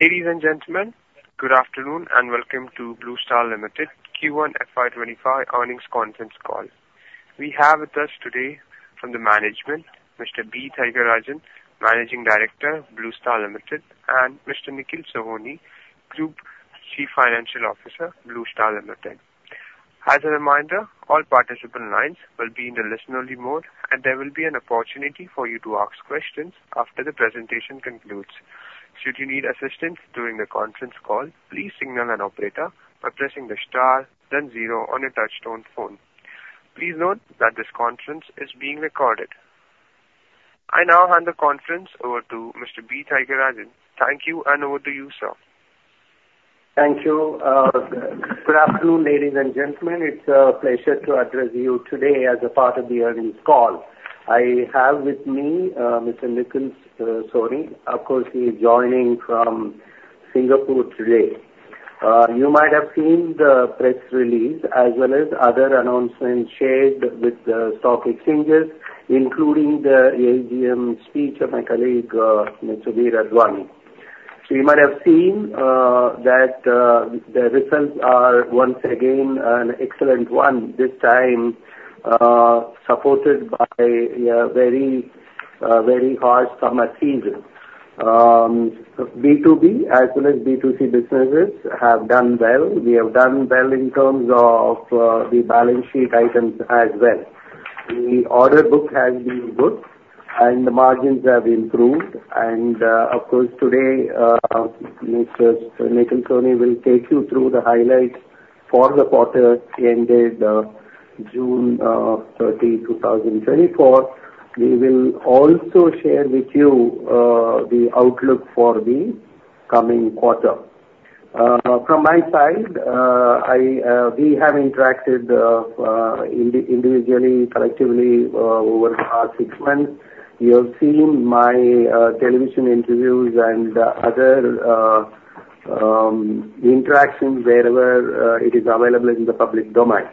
Ladies and gentlemen, good afternoon, and welcome to Blue Star Limited Q1 FY 2025 earnings conference call. We have with us today from the management, Mr. B. Thiagarajan, Managing Director, Blue Star Limited, and Mr. Nikhil Sohoni, Group Chief Financial Officer, Blue Star Limited. As a reminder, all participant lines will be in the listen-only mode, and there will be an opportunity for you to ask questions after the presentation concludes. Should you need assistance during the conference call, please signal an operator by pressing the star then zero on your touch-tone phone. Please note that this conference is being recorded. I now hand the conference over to Mr. B. Thiagarajan. Thank you, and over to you, sir. Thank you. Good afternoon, ladies and gentlemen. It's a pleasure to address you today as a part of the earnings call. I have with me, Mr. Nikhil Sohoni. Of course, he is joining from Singapore today. You might have seen the press release, as well as other announcements shared with the stock exchanges, including the AGM speech of my colleague, Mr. Vir S. Advani. So you might have seen that the results are once again an excellent one, this time supported by a very very hard summer season. B2B as well as B2C businesses have done well. We have done well in terms of the balance sheet items as well. The order book has been good, and the margins have improved. Of course, today, Mr. Nikhil Sohoni will take you through the highlights for the quarter ended June 30, 2024. We will also share with you the outlook for the coming quarter. From my side, we have interacted individually, collectively, over the past six months. You have seen my television interviews and other interactions wherever it is available in the public domain.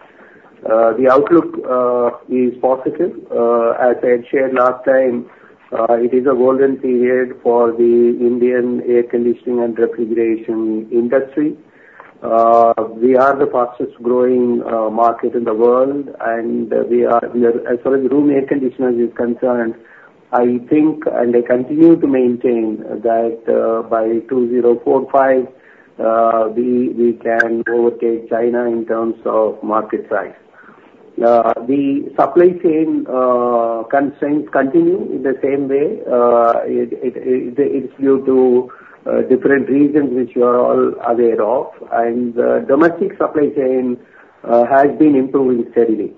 The outlook is positive. As I had shared last time, it is a golden period for the Indian air conditioning and refrigeration industry. We are the fastest growing market in the world, and we are, we are, as far as room air conditioner is concerned, I think, and I continue to maintain, that, by 2045, we can overtake China in terms of market size. The supply chain constraints continue in the same way. It's due to different reasons, which you are all aware of, and, domestic supply chain has been improving steadily.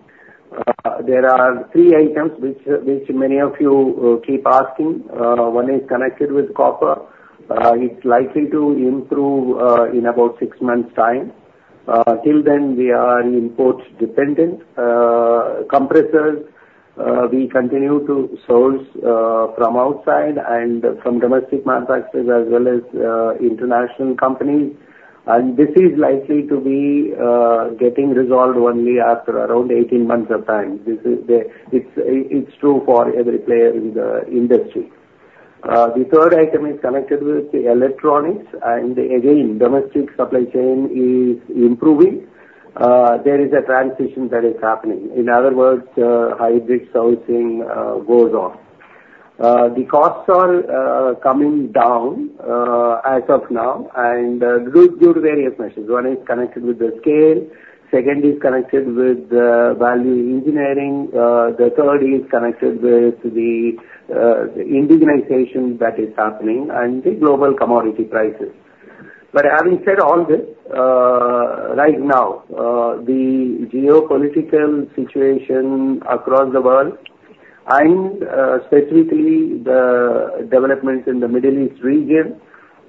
There are three items which many of you keep asking. One is connected with copper. It's likely to improve, in about six months' time. Till then, we are imports dependent. Compressors, we continue to source from outside and from domestic manufacturers as well as international companies, and this is likely to be getting resolved only after around 18 months of time. This is the—it's true for every player in the industry. The third item is connected with the electronics, and again, domestic supply chain is improving. There is a transition that is happening. In other words, hybrid sourcing goes on. The costs are coming down as of now, and due to various measures. One is connected with the scale. Second is connected with value engineering. The third is connected with the indigenization that is happening and the global commodity prices. But having said all this, right now, the geopolitical situation across the world and, specifically the developments in the Middle East region,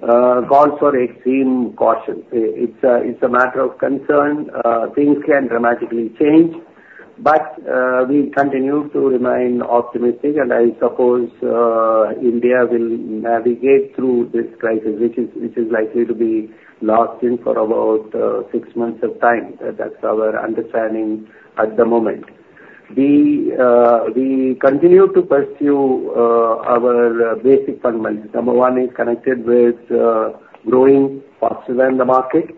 calls for extreme caution. It's a matter of concern. Things can dramatically change, but we continue to remain optimistic, and I suppose India will navigate through this crisis, which is likely to be lasting for about six months of time. That's our understanding at the moment. We continue to pursue our basic fundamentals. Number one is connected with growing faster than the market,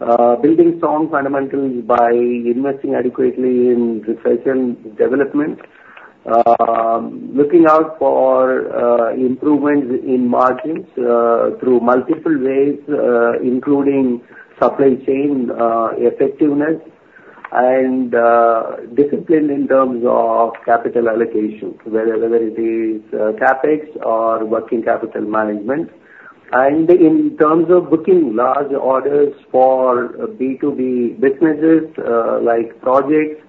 building strong fundamentals by investing adequately in research and development, looking out for improvements in margins through multiple ways, including supply chain effectiveness and discipline in terms of capital allocation, whether it is CapEx or working capital management. In terms of booking large orders for B2B businesses, like projects,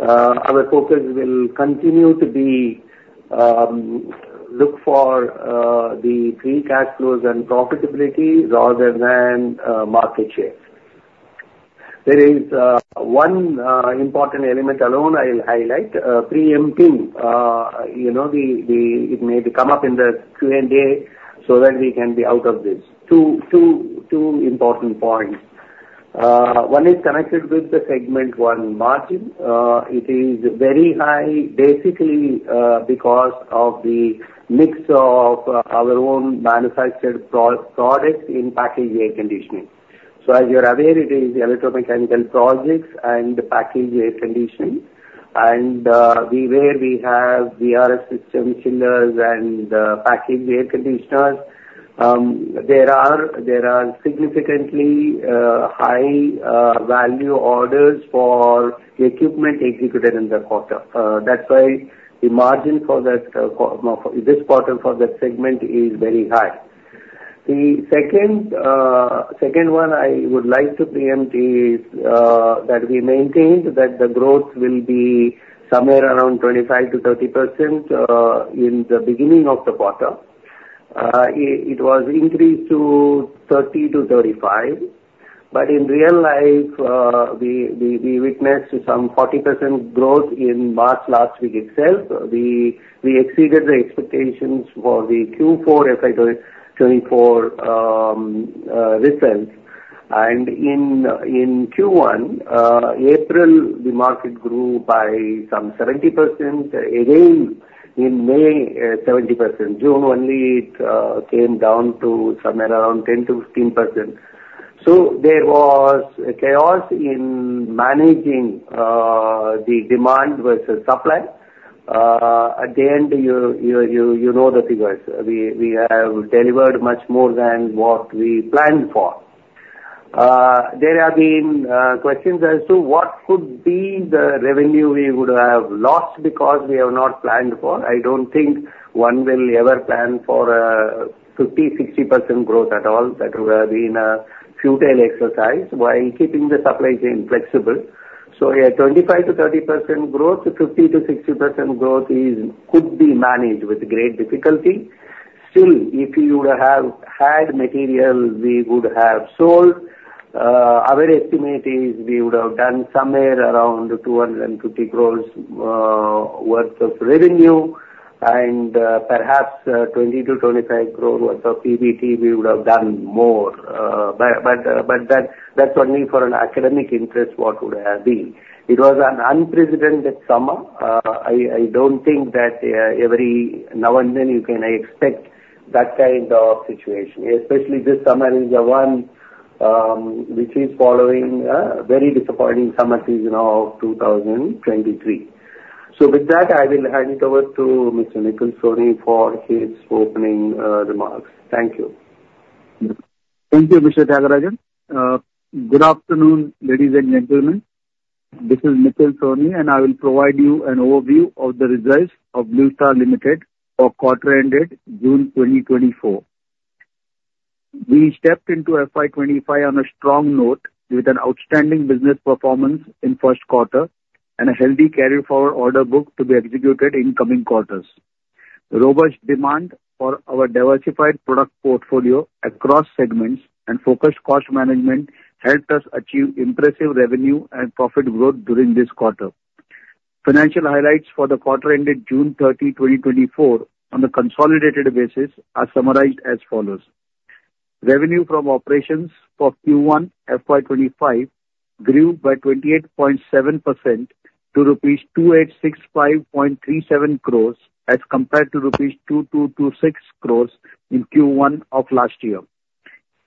our focus will continue to be look for the free cash flows and profitability rather than market share. There is one important element alone I'll highlight, preempting you know the it may come up in the Q&A so that we can be out of this. Two important points. One is connected with the segment one margin. It is very high, basically, because of the mix of our own manufactured products in packaged air conditioning. So as you're aware, it is electromechanical projects and packaged air conditioning, and we where we have VRF systems, chillers, and packaged air conditioners, there are significantly high value orders for the equipment executed in the quarter. That's why the margin for that, for this quarter for that segment is very high. The second one I would like to preempt is that we maintained that the growth will be somewhere around 25%-30% in the beginning of the quarter. It was increased to 30%-35%, but in real life, we witnessed some 40% growth in March last week itself. We exceeded the expectations for the Q4 FY 2024 results. In Q1, April, the market grew by some 70%. Again, in May, 70%. June only it came down to somewhere around 10%-15%. So there was a chaos in managing the demand versus supply. At the end, you know the figures. We, we have delivered much more than what we planned for. There have been questions as to what could be the revenue we would have lost because we have not planned for. I don't think one will ever plan for a 50%-60% growth at all. That would have been a futile exercise while keeping the supply chain flexible. So a 25%-30% growth to 50%-60% growth could be managed with great difficulty. Still, if we would have had material, we would have sold. Our estimate is we would have done somewhere around 250 crore worth of revenue, and perhaps 20 crore-25 crore worth of PBT, we would have done more. But that, that's only for an academic interest, what would have been. It was an unprecedented summer. I don't think that every now and then you can expect that kind of situation, especially this summer is the one which is following a very disappointing summer season of 2023. So with that, I will hand over to Mr. Nikhil Sohoni for his opening remarks. Thank you. Thank you, Mr. Thiagarajan. Good afternoon, ladies and gentlemen. This is Nikhil Sohoni, and I will provide you an overview of the results of Blue Star Limited for quarter ended June 2024. We stepped into FY 2025 on a strong note with an outstanding business performance in first quarter and a healthy carry-forward order book to be executed in coming quarters. Robust demand for our diversified product portfolio across segments and focused cost management helped us achieve impressive revenue and profit growth during this quarter. Financial highlights for the quarter ended June 30, 2024, on a consolidated basis, are summarized as follows: Revenue from operations for Q1 FY 2025 grew by 28.7% to rupees 2,865.37 crore, as compared to rupees 2,226 crore in Q1 of last year.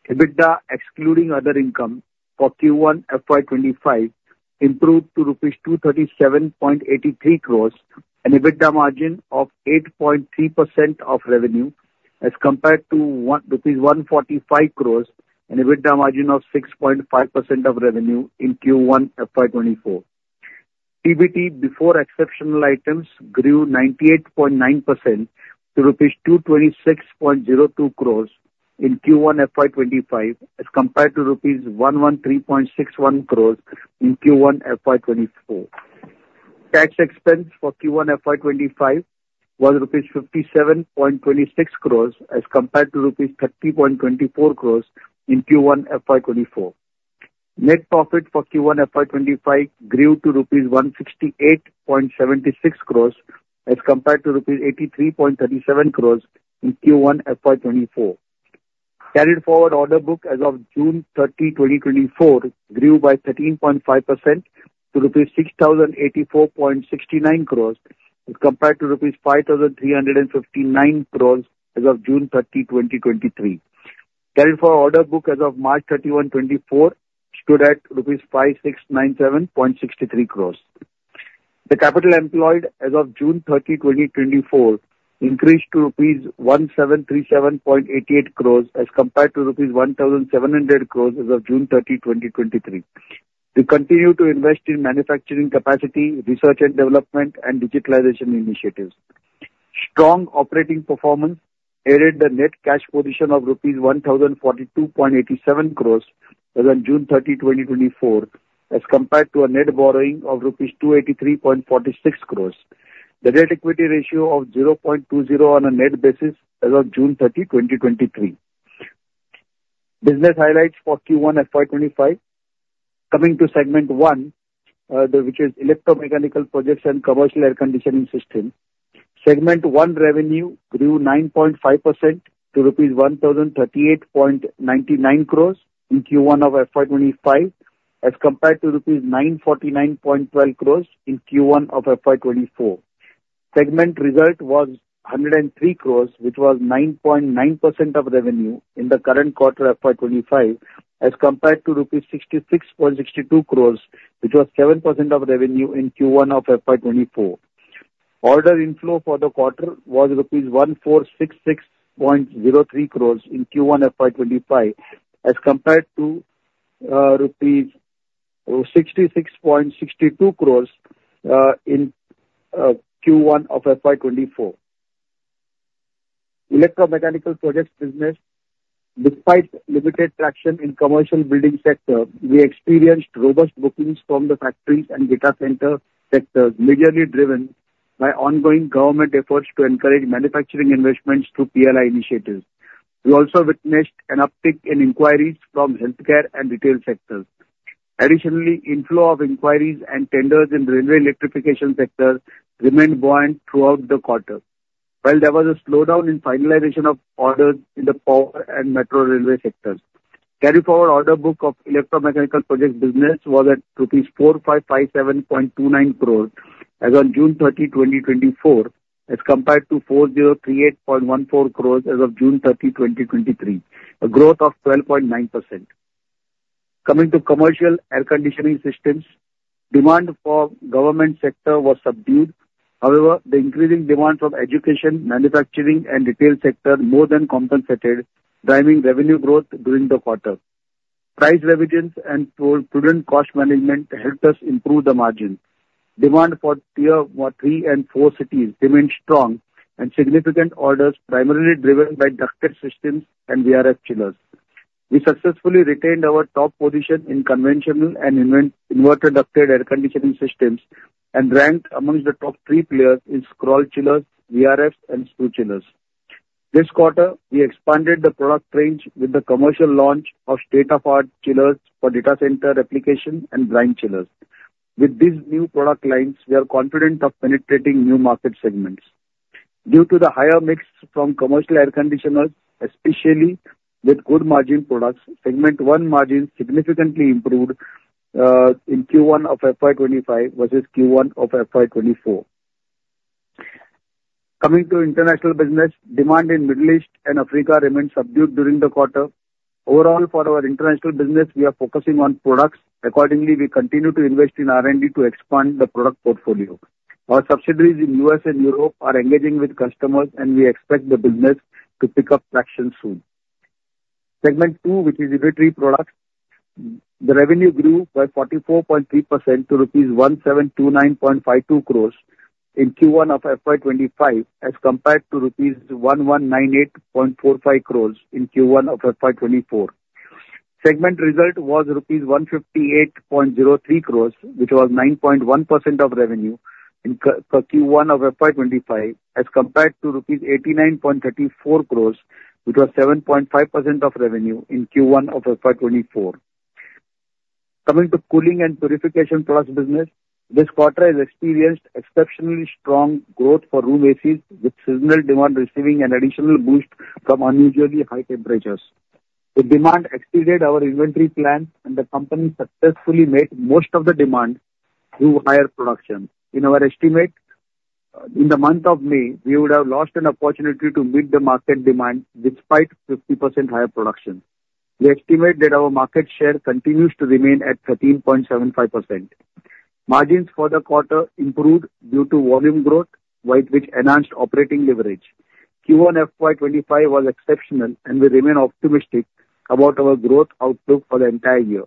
EBITDA, excluding other income for Q1 FY 2025, improved to INR 237.83 crore, an EBITDA margin of 8.3% of revenue, as compared to 145 crore and EBITDA margin of 6.5% of revenue in Q1 FY 2024. PBT before exceptional items grew 98.9% to rupees 226.02 crore in Q1 FY 2025, as compared to rupees 113.61 crore in Q1 FY 2024. Tax expense for Q1 FY 2025 was rupees 57.26 crore as compared to rupees 30.24 crore in Q1 FY 2024. Net profit for Q1 FY 2025 grew to rupees 168.76 crore as compared to rupees 83.37 crore in Q1 FY 2024. Carry Forward Order Book as of June 30, 2024, grew by 13.5% to rupees 6,084.69 crore, as compared to rupees 5,359 crore as of June 30, 2023. Carry Forward Order Book as of March 31, 2024, stood at rupees 5,697.63 crore. Capital Employed as of June 30, 2024, increased to rupees 1,737.88 crore as compared to rupees 1,700 crore as of June 30, 2023. We continue to invest in manufacturing capacity, research and development, and digitalization initiatives. Strong operating performance aided the net cash position of rupees 1,042.87 crore as on June 30, 2024, as compared to a net borrowing of rupees 283.46 crore. The net equity ratio of 0.20 on a net basis as of June 30, 2023. Business highlights for Q1 FY 2025. Coming to segment one, which is Electromechanical Projects and Commercial Air Conditioning Systems. Segment one revenue grew 9.5% to rupees 1,038.99 crore in Q1 of FY 2025 as compared to rupees 949.12 crore in Q1 of FY 2024. Segment result was 103 crore, which was 9.9% of revenue in the current quarter, FY 2025, as compared to rupees 66.62 crore, which was 7% of revenue in Q1 of FY 2024. Order inflow for the quarter was rupees 1,466.03 crore in Q1 FY 2025, as compared to INR 66.62 crore in Q1 of FY 2024. Electromechanical Projects business, despite limited traction in commercial building sector, we experienced robust bookings from the factories and data center sectors, majorly driven by ongoing government efforts to encourage manufacturing investments through PLI initiatives. We also witnessed an uptick in inquiries from healthcare and retail sectors. Additionally, inflow of inquiries and tenders in railway electrification sector remained buoyant throughout the quarter, while there was a slowdown in finalization of orders in the power and metro railway sectors. Carry Forward Order Book of Electromechanical Projects business was at rupees 4,557.29 crore as on June 30, 2024, as compared to 4,038.14 crore as of June 30, 2023, a growth of 12.9%. Coming to Commercial Air Conditioning Systems, demand for government sector was subdued. However, the increasing demand from education, manufacturing, and retail sector more than compensated, driving revenue growth during the quarter. Price resilience and prudent cost management helped us improve the margin. Demand for tier three and four cities remained strong, and significant orders primarily driven by ducted systems and VRF chillers. We successfully retained our top position in conventional and inverter ducted air conditioning systems, and ranked amongst the top three players in scroll chillers, VRFs and screw chillers. This quarter, we expanded the product range with the commercial launch of state-of-the-art chillers for data center application and brine chillers. With these new product lines, we are confident of penetrating new market segments. Due to the higher mix from commercial air conditioners, especially with good margin products, segment one margin significantly improved in Q1 of FY 2025 versus Q1 of FY 2024. Coming to international business, demand in Middle East and Africa remained subdued during the quarter. Overall, for our international business, we are focusing on products. Accordingly, we continue to invest in R&D to expand the product portfolio. Our subsidiaries in U.S. and Europe are engaging with customers, and we expect the business to pick up traction soon. Segment two, which is Unitary Products, the revenue grew by 44.3% to rupees 1,729.52 crore in Q1 of FY 2025 as compared to rupees 1,198.45 crore in Q1 of FY 2024. Segment result was rupees 158.03 crore, which was 9.1% of revenue in Q1 of FY 2025, as compared to rupees 89.34 crore, which was 7.5% of revenue in Q1 of FY 2024. Coming to cooling and purification products business, this quarter has experienced exceptionally strong growth for room ACs, with seasonal demand receiving an additional boost from unusually high temperatures. The demand exceeded our inventory plan, and the company successfully met most of the demand through higher production. In our estimate, in the month of May, we would have lost an opportunity to meet the market demand despite 50% higher production. We estimate that our market share continues to remain at 13.75%. Margins for the quarter improved due to volume growth, while which enhanced operating leverage. Q1 FY 2025 was exceptional, and we remain optimistic about our growth outlook for the entire year.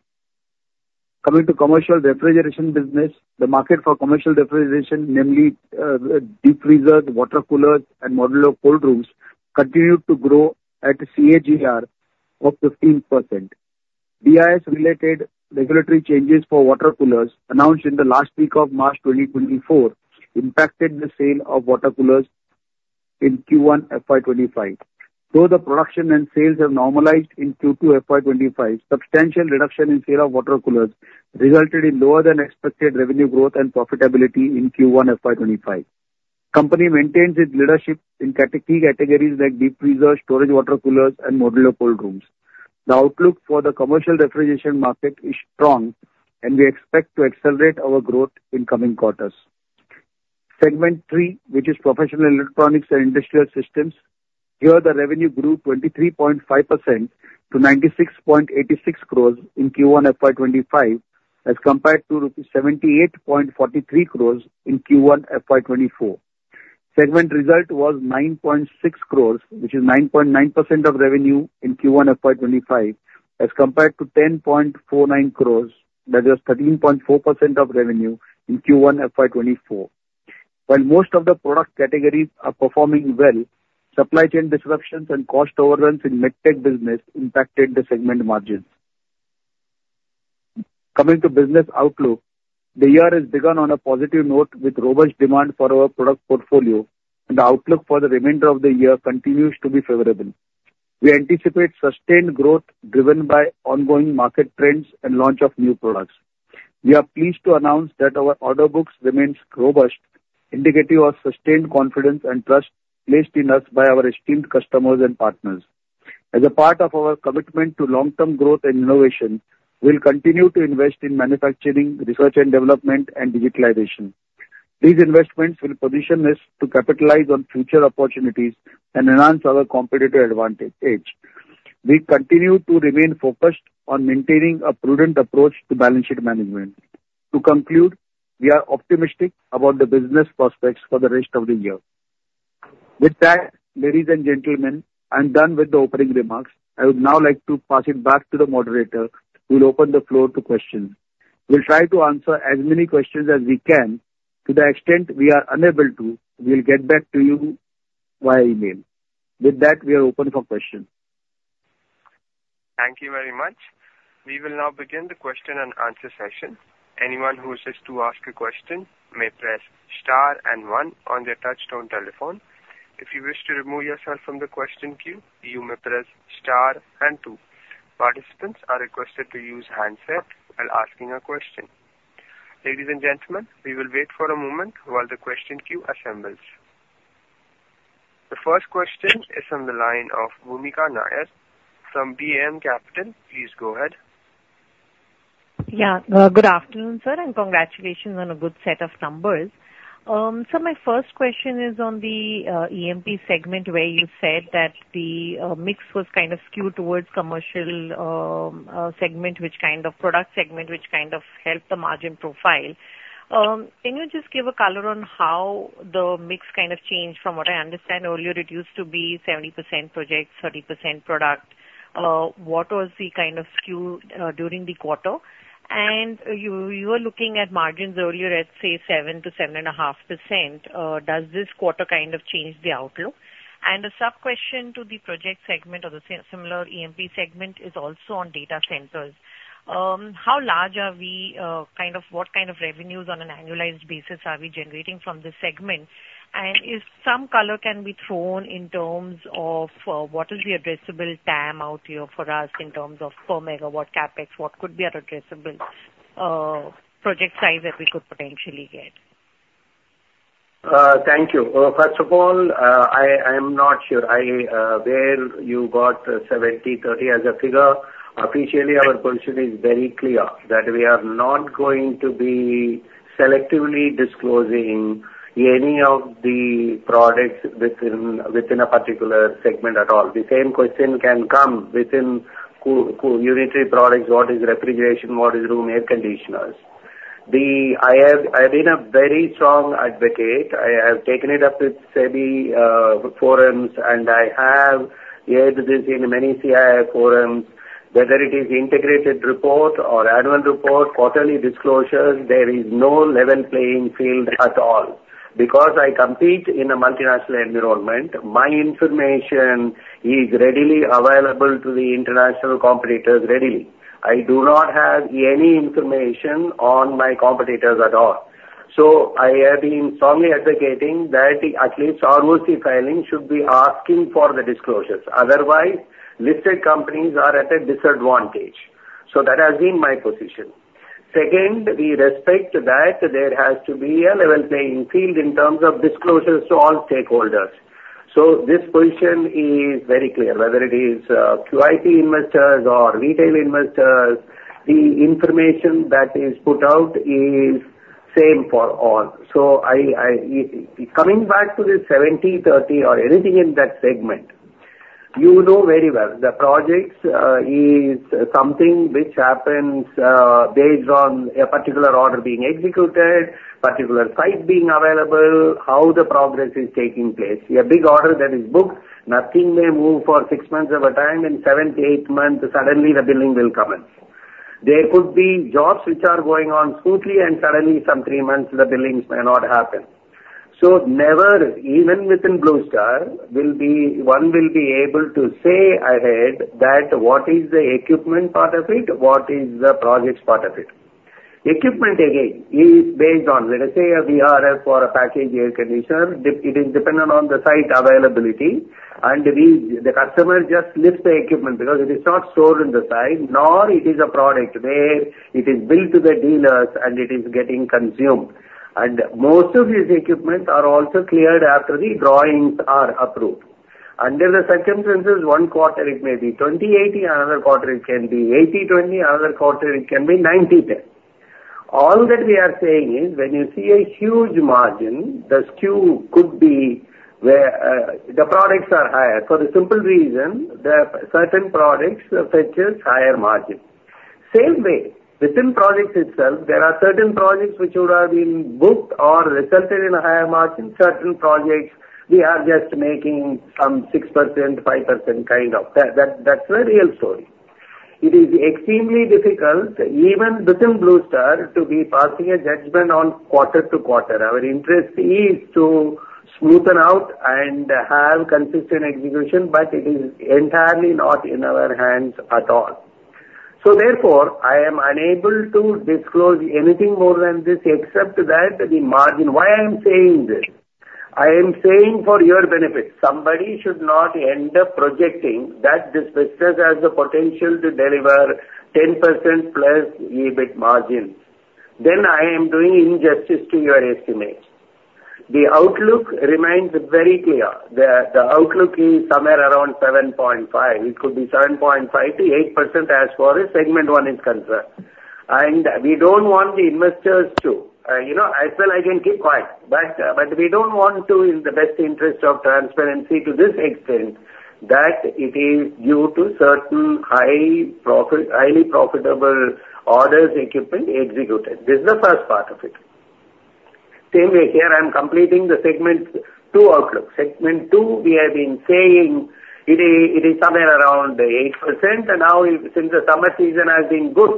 Coming to commercial refrigeration business, the market for commercial refrigeration, namely, deep freezers, water coolers and modular cold rooms, continued to grow at a CAGR of 15%. BIS-related regulatory changes for water coolers, announced in the last week of March 2024, impacted the sale of water coolers in Q1 FY 2025. Though the production and sales have normalized in Q2 FY 2025, substantial reduction in sale of water coolers resulted in lower than expected revenue growth and profitability in Q1 FY 2025. Company maintains its leadership in key categories like deep freezers, storage water coolers and modular cold rooms. The outlook for the commercial refrigeration market is strong, and we expect to accelerate our growth in coming quarters. Segment three, which is Professional Electronics and Industrial Systems, here, the revenue grew 23.5% to 96.86 crore in Q1 FY 2025, as compared to 78.43 crore in Q1 FY 2024. Segment result was 9.6 crore, which is 9.9% of revenue in Q1 FY 2025, as compared to 10.49 crore, that is 13.4% of revenue, in Q1 FY 2024. While most of the product categories are performing well, supply chain disruptions and cost overruns in med tech business impacted the segment margins. Coming to business outlook, the year has begun on a positive note with robust demand for our product portfolio, and the outlook for the remainder of the year continues to be favorable. We anticipate sustained growth driven by ongoing market trends and launch of new products. We are pleased to announce that our order books remains robust, indicative of sustained confidence and trust placed in us by our esteemed customers and partners. As a part of our commitment to long-term growth and innovation, we'll continue to invest in manufacturing, research and development, and digitalization. These investments will position us to capitalize on future opportunities and enhance our competitive advantage. We continue to remain focused on maintaining a prudent approach to balance sheet management. To conclude, we are optimistic about the business prospects for the rest of the year. With that, ladies and gentlemen, I'm done with the opening remarks. I would now like to pass it back to the moderator, who will open the floor to questions. We'll try to answer as many questions as we can. To the extent we are unable to, we'll get back to you via email. With that, we are open for questions. Thank you very much. We will now begin the question and answer session. Anyone who wishes to ask a question may press star and one on their touchtone telephone. If you wish to remove yourself from the question queue, you may press star and two. Participants are requested to use handset while asking a question. Ladies and gentlemen, we will wait for a moment while the question queue assembles. The first question is on the line of Bhoomika Nair from DAM Capital Advisors Ltd. Please go ahead. Yeah. Good afternoon, sir, and congratulations on a good set of numbers. So my first question is on the EMP segment, where you said that the mix was kind of skewed towards commercial segment, which kind of product segment, which kind of helped the margin profile. Can you just give a color on how the mix kind of changed? From what I understand, earlier, it used to be 70% project, 30% product. What was the kind of skew during the quarter? And you were looking at margins earlier at, say, 7%-7.5%. Does this quarter kind of change the outlook? And a sub question to the project segment or the similar EMP segment is also on data centers. How large are we? What kind of revenues on an annualized basis are we generating from this segment? And if some color can be thrown in terms of what is the addressable TAM out here for us in terms of per megawatt CapEx, what could be our addressable project size that we could potentially get? Thank you. First of all, I am not sure where you got 70/30 as a figure. Officially, our position is very clear, that we are not going to be selectively disclosing any of the products within a particular segment at all. The same question can come within unitary products, what is refrigeration? What is room air conditioners? I have been a very strong advocate. I have taken it up with SEBI forums, and I have aired this in many CII forums. Whether it is integrated report or annual report, quarterly disclosures, there is no level playing field at all. Because I compete in a multinational environment, my information is readily available to the international competitors, readily. I do not have any information on my competitors at all. So I have been strongly advocating that at least SEBI filing should be asking for the disclosures. Otherwise, listed companies are at a disadvantage. So that has been my position. Second, we respect that there has to be a level playing field in terms of disclosures to all stakeholders. So this position is very clear, whether it is QIP investors or retail investors, the information that is put out is same for all. So I coming back to the 70/30 or anything in that segment, you know very well, the projects is something which happens based on a particular order being executed, particular site being available, how the progress is taking place. A big order that is booked, nothing may move for six months at a time, in seventh to eighth month, suddenly the billing will come in. There could be jobs which are going on smoothly and suddenly some three months, the billings may not happen. So never, even within Blue Star, will one be able to say ahead that what is the equipment part of it, what is the projects part of it. Equipment, again, is based on, let us say, a VRF or a package air conditioner. It is dependent on the site availability, and the customer just lifts the equipment because it is not stored in the site, nor it is a product where it is billed to the dealers and it is getting consumed. And most of these equipments are also cleared after the drawings are approved. Under the circumstances, one quarter it may be 20/80, another quarter it can be 80/20, another quarter it can be 90/10. All that we are saying is, when you see a huge margin, the skew could be where the products are higher for the simple reason that certain products fetches higher margin. Same way, within projects itself, there are certain projects which would have been booked or resulted in a higher margin. Certain projects, we are just making some 6%, 5%, kind of. That, that's the real story. It is extremely difficult, even within Blue Star, to be passing a judgment on quarter to quarter. Our interest is to smoothen out and have consistent execution, but it is entirely not in our hands at all. So therefore, I am unable to disclose anything more than this, except that the margin. Why I'm saying this? I am saying for your benefit, somebody should not end up projecting that this business has the potential to deliver 10%+ EBIT margins. Then I am doing injustice to your estimates. The outlook remains very clear, the outlook is somewhere around 7.5%. It could be 7.5%-8% as far as segment one is concerned. And we don't want the investors to, you know, as well I can keep quiet, but we don't want to, in the best interest of transparency to this extent, that it is due to certain high profit, highly profitable orders equipment executed. This is the first part of it. Same way, here I'm completing the segment two outlook. Segment two, we have been saying it is somewhere around 8%, and now since the summer season has been good,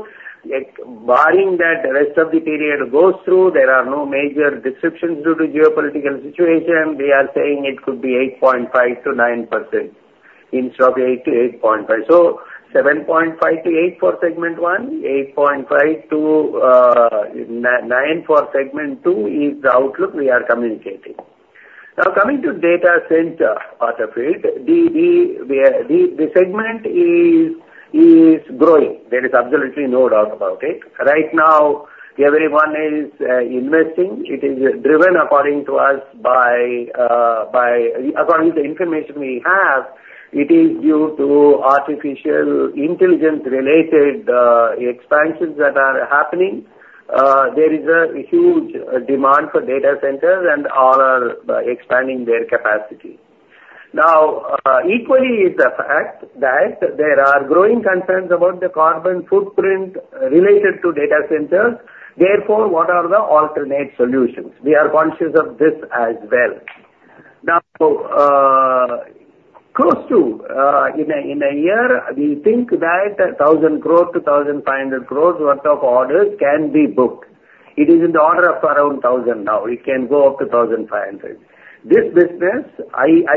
like, barring that, the rest of the period goes through, there are no major disruptions due to geopolitical situation, we are saying it could be 8.5%-9% instead of 8%-8.5%. So 7.5%-8% for segment one, 8.5%-9% for segment two is the outlook we are communicating. Now, coming to data center part of it, the segment is growing. There is absolutely no doubt about it. Right now, everyone is investing. It is driven, according to us, by, according to the information we have, it is due to artificial intelligence-related expansions that are happening. There is a huge demand for data centers and all are expanding their capacity. Now, equally is the fact that there are growing concerns about the carbon footprint related to data centers. Therefore, what are the alternate solutions? We are conscious of this as well. Now, close to, in a year, we think that 1,000 crore-1,500 crore worth of orders can be booked. It is in the order of around 1,000 now, it can go up to 1,500 crore. This business, I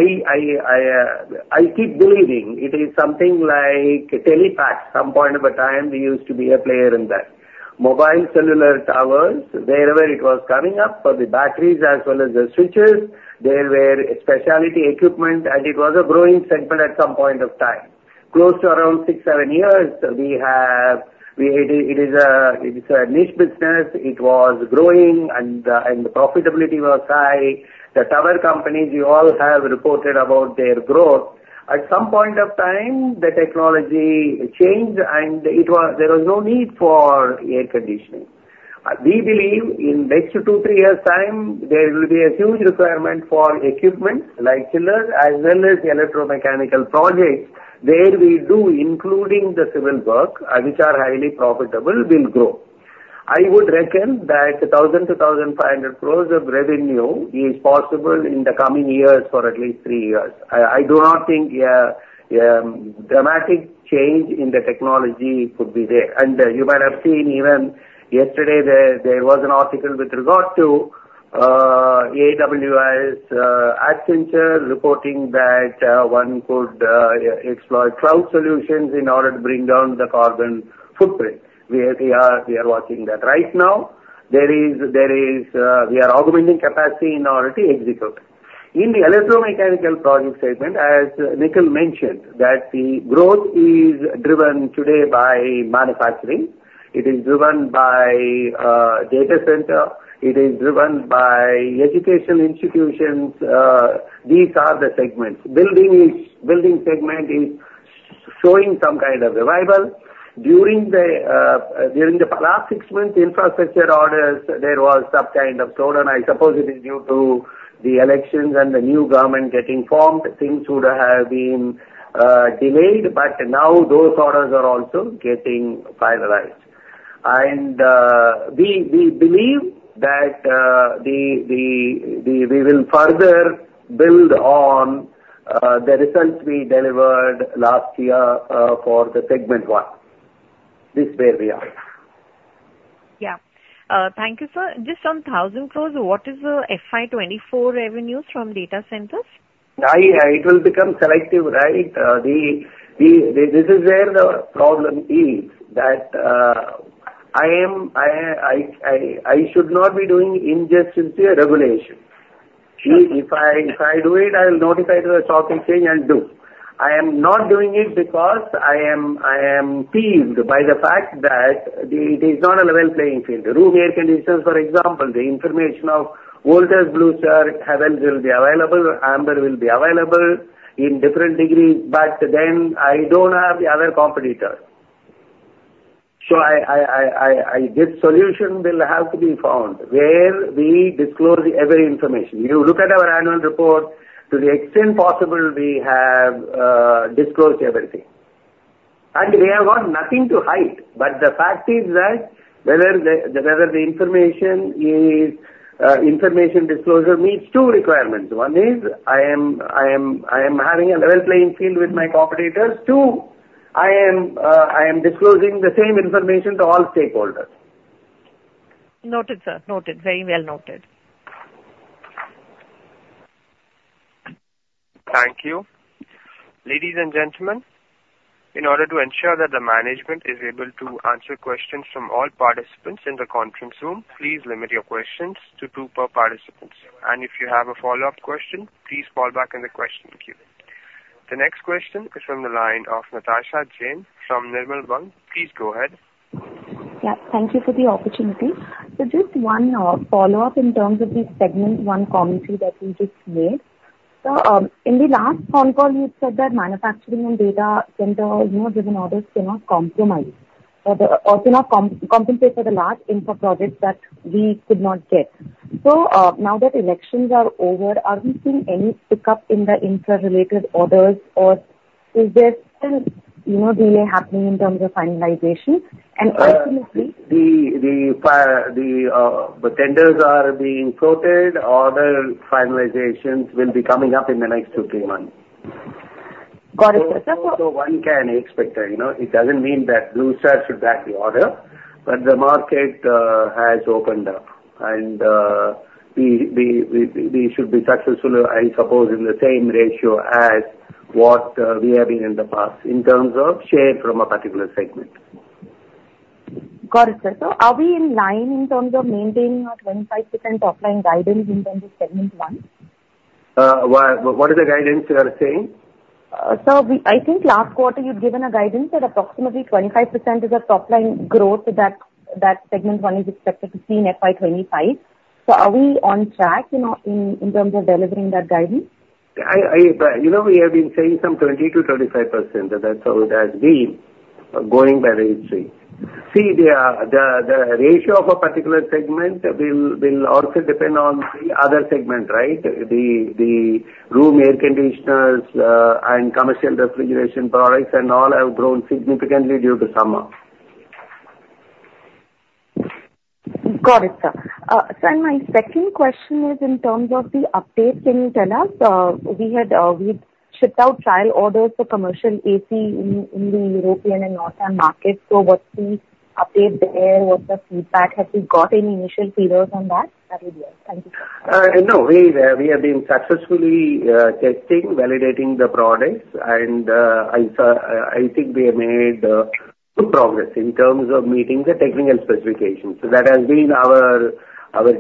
keep believing it is something like Telepac. Some point of a time, we used to be a player in that. Mobile cellular towers, wherever it was coming up, for the batteries as well as the switches, there were specialty equipment, and it was a growing segment at some point of time. Close to around six-seven years, we have a niche business. It was growing and the profitability was high. The tower companies, we all have reported about their growth. At some point of time, the technology changed and there was no need for air conditioning. We believe in next two to three years' time, there will be a huge requirement for equipment like chillers as well as electromechanical projects, where we do including the civil work, which are highly profitable, will grow. I would reckon that 1,000 crore-1,500 crore of revenue is possible in the coming years for at least three years. I do not think a dramatic change in the technology could be there. You might have seen even yesterday, there was an article with regard to AWS, Accenture reporting that one could explore cloud solutions in order to bring down the carbon footprint. We are watching that. Right now, we are augmenting capacity in order to execute. In the electromechanical project segment, as Nikhil mentioned, that the growth is driven today by manufacturing, it is driven by data center, it is driven by education institutions, these are the segments. Building segment is showing some kind of revival. During the last six months, infrastructure orders, there was some kind of slowdown. I suppose it is due to the elections and the new government getting formed. Things would have been delayed, but now those orders are also getting finalized. We believe that we will further build on the results we delivered last year for the segment one. This is where we are. Yeah. Thank you, sir. Just on 1,000 crore, what is the FY 2024 revenues from data centers? I, it will become selective, right? The, this is where the problem is, that, I am, I should not be doing injustice to a regulation. If I do it, I will notify to the stock exchange and do. I am not doing it because I am peeved by the fact that it is not a level playing field. Room air conditioners, for example, the information of Voltas, Blue Star, Havells will be available, Amber will be available in different degrees, but then I don't have the other competitor. So this solution will have to be found where we disclose every information. You look at our annual report, to the extent possible, we have disclosed everything. We have got nothing to hide, but the fact is that whether the information disclosure meets two requirements. One is, I am having a level playing field with my competitors. Two, I am disclosing the same information to all stakeholders. Noted, sir. Noted. Very well noted. Thank you. Ladies and gentlemen, in order to ensure that the management is able to answer questions from all participants in the conference room, please limit your questions to two per participant. And if you have a follow-up question, please fall back in the question queue. The next question is from the line of Natasha Jain from Nirmal Bang. Please go ahead. Yeah, thank you for the opportunity. So just one, follow-up in terms of the segment, one commentary that you just made. So, in the last phone call, you said that manufacturing and data center, you know, given orders cannot compensate for the large infra projects that we could not get. So, now that elections are over, are we seeing any pickup in the infra-related orders, or is there still, you know, delay happening in terms of finalization? And the tenders are being floated. Order finalizations will be coming up in the next two, three months. Got it, sir. So, one can expect that, you know, it doesn't mean that Blue Star should back the order, but the market has opened up, and we should be successful, I suppose, in the same ratio as what we have been in the past in terms of share from a particular segment. Got it, sir. So are we in line in terms of maintaining our 25% top line guidance in terms of segment one? What is the guidance you are saying? Sir, we... I think last quarter you'd given a guidance that approximately 25% is the top line growth that, that segment one is expected to see in FY 2025. So are we on track, you know, in, in terms of delivering that guidance? You know, we have been saying some 20%-25%, that's how it has been, going by the industry. See, the ratio of a particular segment will also depend on the other segment, right? The room air conditioners and commercial refrigeration products and all have grown significantly due to summer. Got it, sir. So my second question is in terms of the update. Can you tell us, we had shipped out trial orders for commercial AC in the European and Northern market, so what's the update there? What's the feedback? Have you got any initial feedback on that? That would be all. Thank you, sir. No, we have been successfully testing, validating the products, and I think we have made good progress in terms of meeting the technical specifications. So that has been our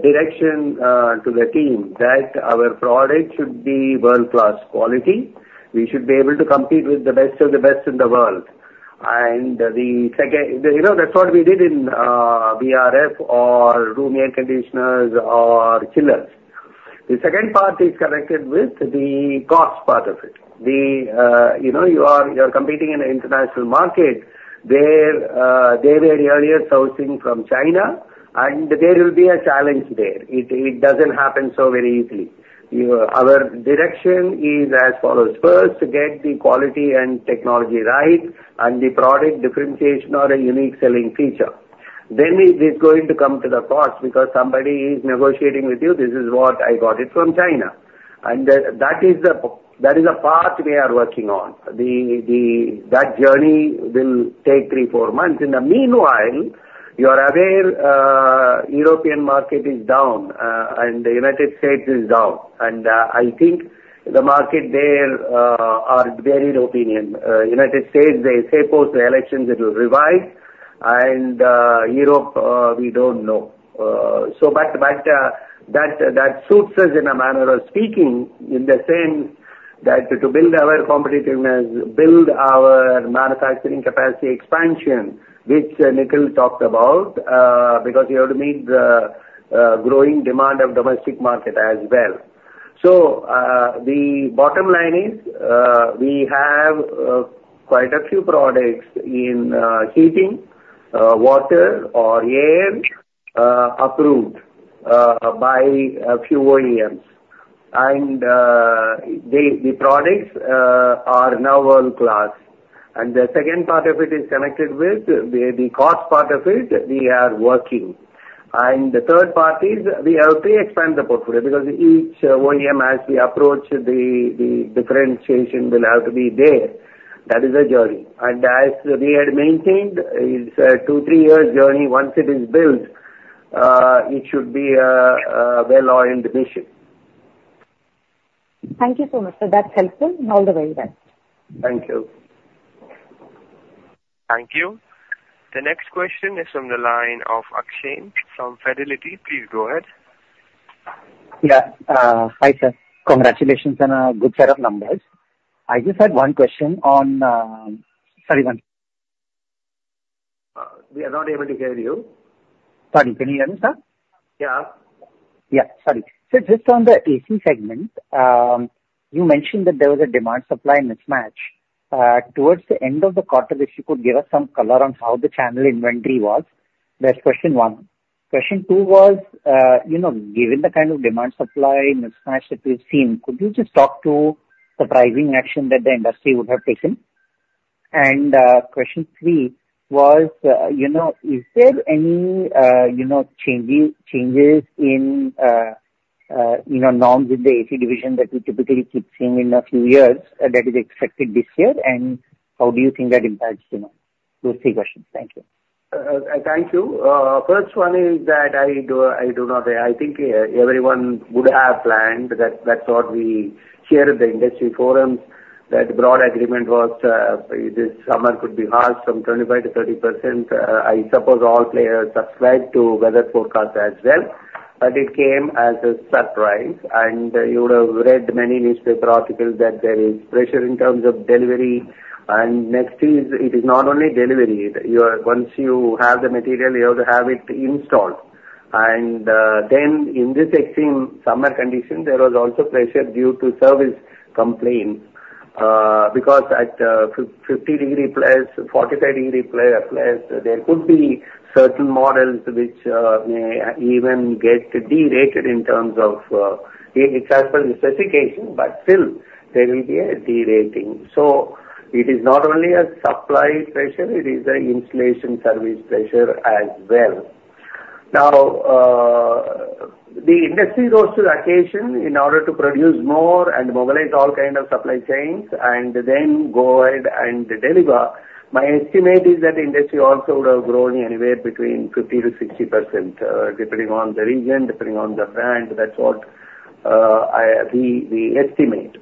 direction to the team, that our product should be world-class quality. We should be able to compete with the best of the best in the world. And the second, you know, that's what we did in VRF or room air conditioners or chillers. The second part is connected with the cost part of it. You know, you are competing in an international market where they were earlier sourcing from China, and there will be a challenge there. It doesn't happen so very easily. You know, our direction is as follows: first, get the quality and technology right, and the product differentiation or a unique selling feature. Then it is going to come to the cost, because somebody is negotiating with you, "This is what I got it from China." And that is the path we are working on. That journey will take three-four months. In the meanwhile, you are aware, European market is down, and the United States is down, and, I think the market there are varied opinion. United States, they say post the elections it will revive, and, Europe, we don't know. But that suits us in a manner of speaking, in the sense that to build our competitiveness, build our manufacturing capacity expansion, which Nikhil talked about, because you have to meet the growing demand of domestic market as well. So, the bottom line is, we have quite a few products in heating, water, or air, approved by a few OEMs. And the products are now world-class. And the second part of it is connected with the cost part of it, we are working. And the third part is we have to expand the portfolio, because each OEM, as we approach the differentiation will have to be there. That is a journey. And as we had maintained, it's a two-three-year journey. Once it is built, it should be a well-oiled machine. Thank you so much, sir. That's helpful. All the very best. Thank you. Thank you. The next question is from the line of Akshen from Fidelity. Please go ahead. Yeah. Hi, sir. Congratulations on a good set of numbers. I just had one question on... Sorry, one- We are not able to hear you. Sorry, can you hear me, sir? Yeah. Yeah, sorry. So just on the AC segment, you mentioned that there was a demand-supply mismatch. Towards the end of the quarter, if you could give us some color on how the channel inventory was? That's question one. Question two was, you know, given the kind of demand-supply mismatch that we've seen, could you just talk to the pricing action that the industry would have taken? And, question three was, you know, is there any, you know, changes in, you know, norms with the AC division that we typically keep seeing in a few years that is expected this year, and how do you think that impacts you know? Those three questions. Thank you. Thank you. First one is that I do, I do not, I think everyone would have planned that. That's what we hear at the industry forums, that broad agreement was, this summer could be harsh, from 25%-30%. I suppose all players subscribe to weather forecast as well, but it came as a surprise. And you would have read many newspaper articles that there is pressure in terms of delivery. And next is, it is not only delivery, you are- once you have the material, you have to have it installed. In this extreme summer condition, there was also pressure due to service complaints, because at 50 degrees plus, 45 degrees plus, there could be certain models which may even get derated in terms of, it has per the specification, but still there will be a derating. So it is not only a supply pressure, it is an installation service pressure as well. Now, the industry rose to the occasion in order to produce more and mobilize all kind of supply chains and then go ahead and deliver. My estimate is that industry also would have grown anywhere between 50%-60%, depending on the region, depending on the brand. That's what, I, we, we estimate.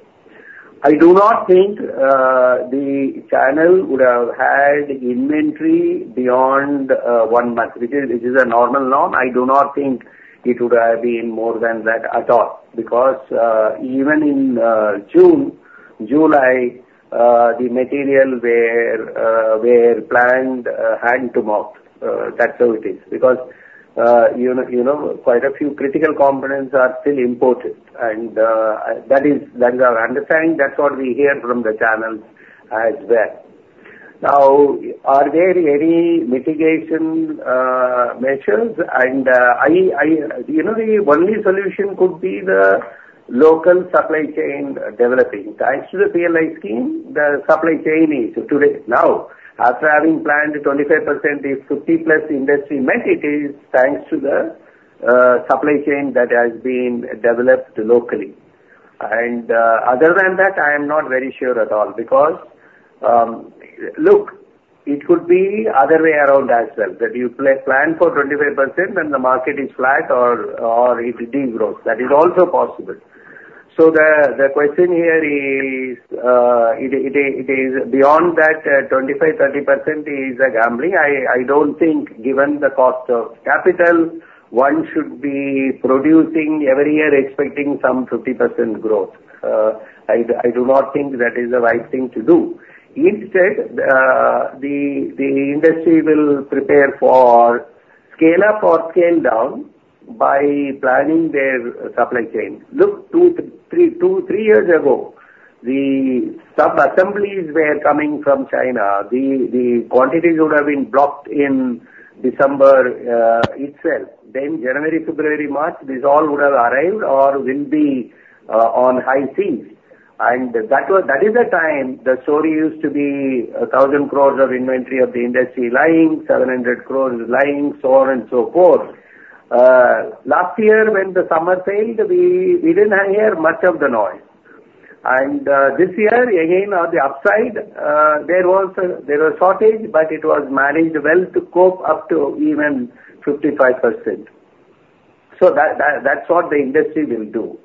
I do not think, the channel would have had inventory beyond, 1 month, which is, which is a normal norm. I do not think it would have been more than that at all, because even in June, July, the material were planned hand to mouth facilities, because you know, you know, quite a few critical components are still imported, and that is, that is our understanding. That's what we hear from the channels as well. Now, are there any mitigation measures? And I-- you know, the only solution could be the local supply chain developing. Thanks to the PLI scheme, the supply chain is today. Now, after having planned 25%, if 50+ industry met, it is thanks to the supply chain that has been developed locally. Other than that, I am not very sure at all, because, look, it could be other way around as well, that you plan for 25% when the market is flat or, or it degrows. That is also possible. So the question here is, it is beyond that, 25-30% is a gambling. I don't think, given the cost of capital, one should be producing every year expecting some 50% growth. I do not think that is the right thing to do. Instead, the industry will prepare for scale-up or scale-down by planning their supply chain. Look, two-three years ago, the sub-assemblies were coming from China. The quantities would have been blocked in December itself. Then January, February, March, these all would have arrived or will be on high seas. And that was, that is the time the story used to be 1,000 crore of inventory of the industry lying, 700 crore lying, so on and so forth. Last year, when the summer failed, we didn't hear much of the noise. And this year, again, on the upside, there was shortage, but it was managed well to cope up to even 55%. So that's what the industry will do.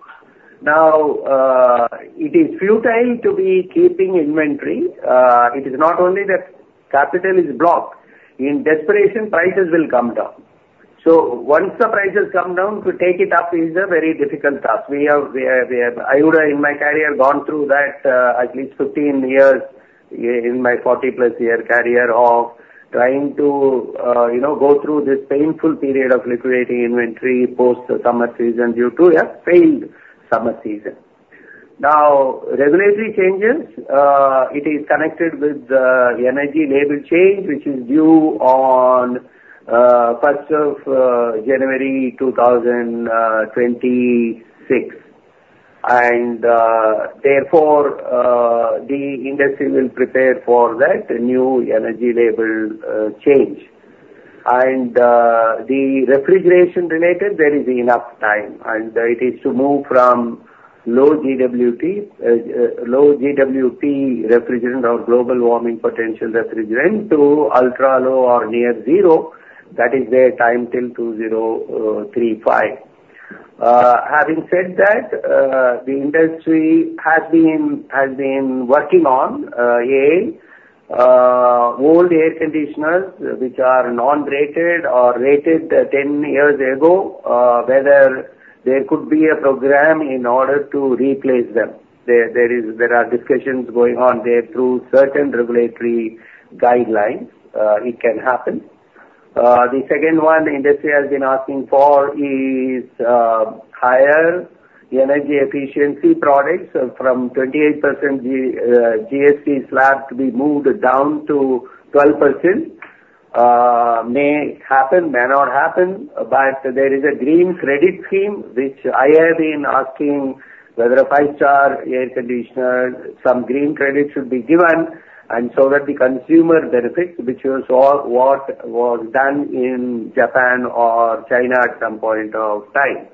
Now it is futile to be keeping inventory. It is not only the capital is blocked, in desperation, prices will come down. So once the prices come down, to take it up is a very difficult task. We have... I would have, in my career, gone through that, at least 15 years in my 40+ year career of trying to, you know, go through this painful period of liquidating inventory post summer season, due to a failed summer season. Now, regulatory changes, it is connected with the energy label change, which is due on first of January 2026. And, therefore, the industry will prepare for that new energy label change. And, the refrigeration related, there is enough time, and it is to move from low GWP, low GWP refrigerant or global warming potential refrigerant, to ultra low or near zero. That is their time till 2035. Having said that, the industry has been working on old air conditioners which are non-rated or rated 10 years ago, whether there could be a program in order to replace them. There are discussions going on there through certain regulatory guidelines. It can happen. The second one the industry has been asking for is higher energy efficiency products from 28% GST slab to be moved down to 12%. May happen, may not happen, but there is a Green Credit Scheme which I have been asking whether a five-star air conditioner, some green credit should be given, and so that the consumer benefits, which was all, what was done in Japan or China at some point of time.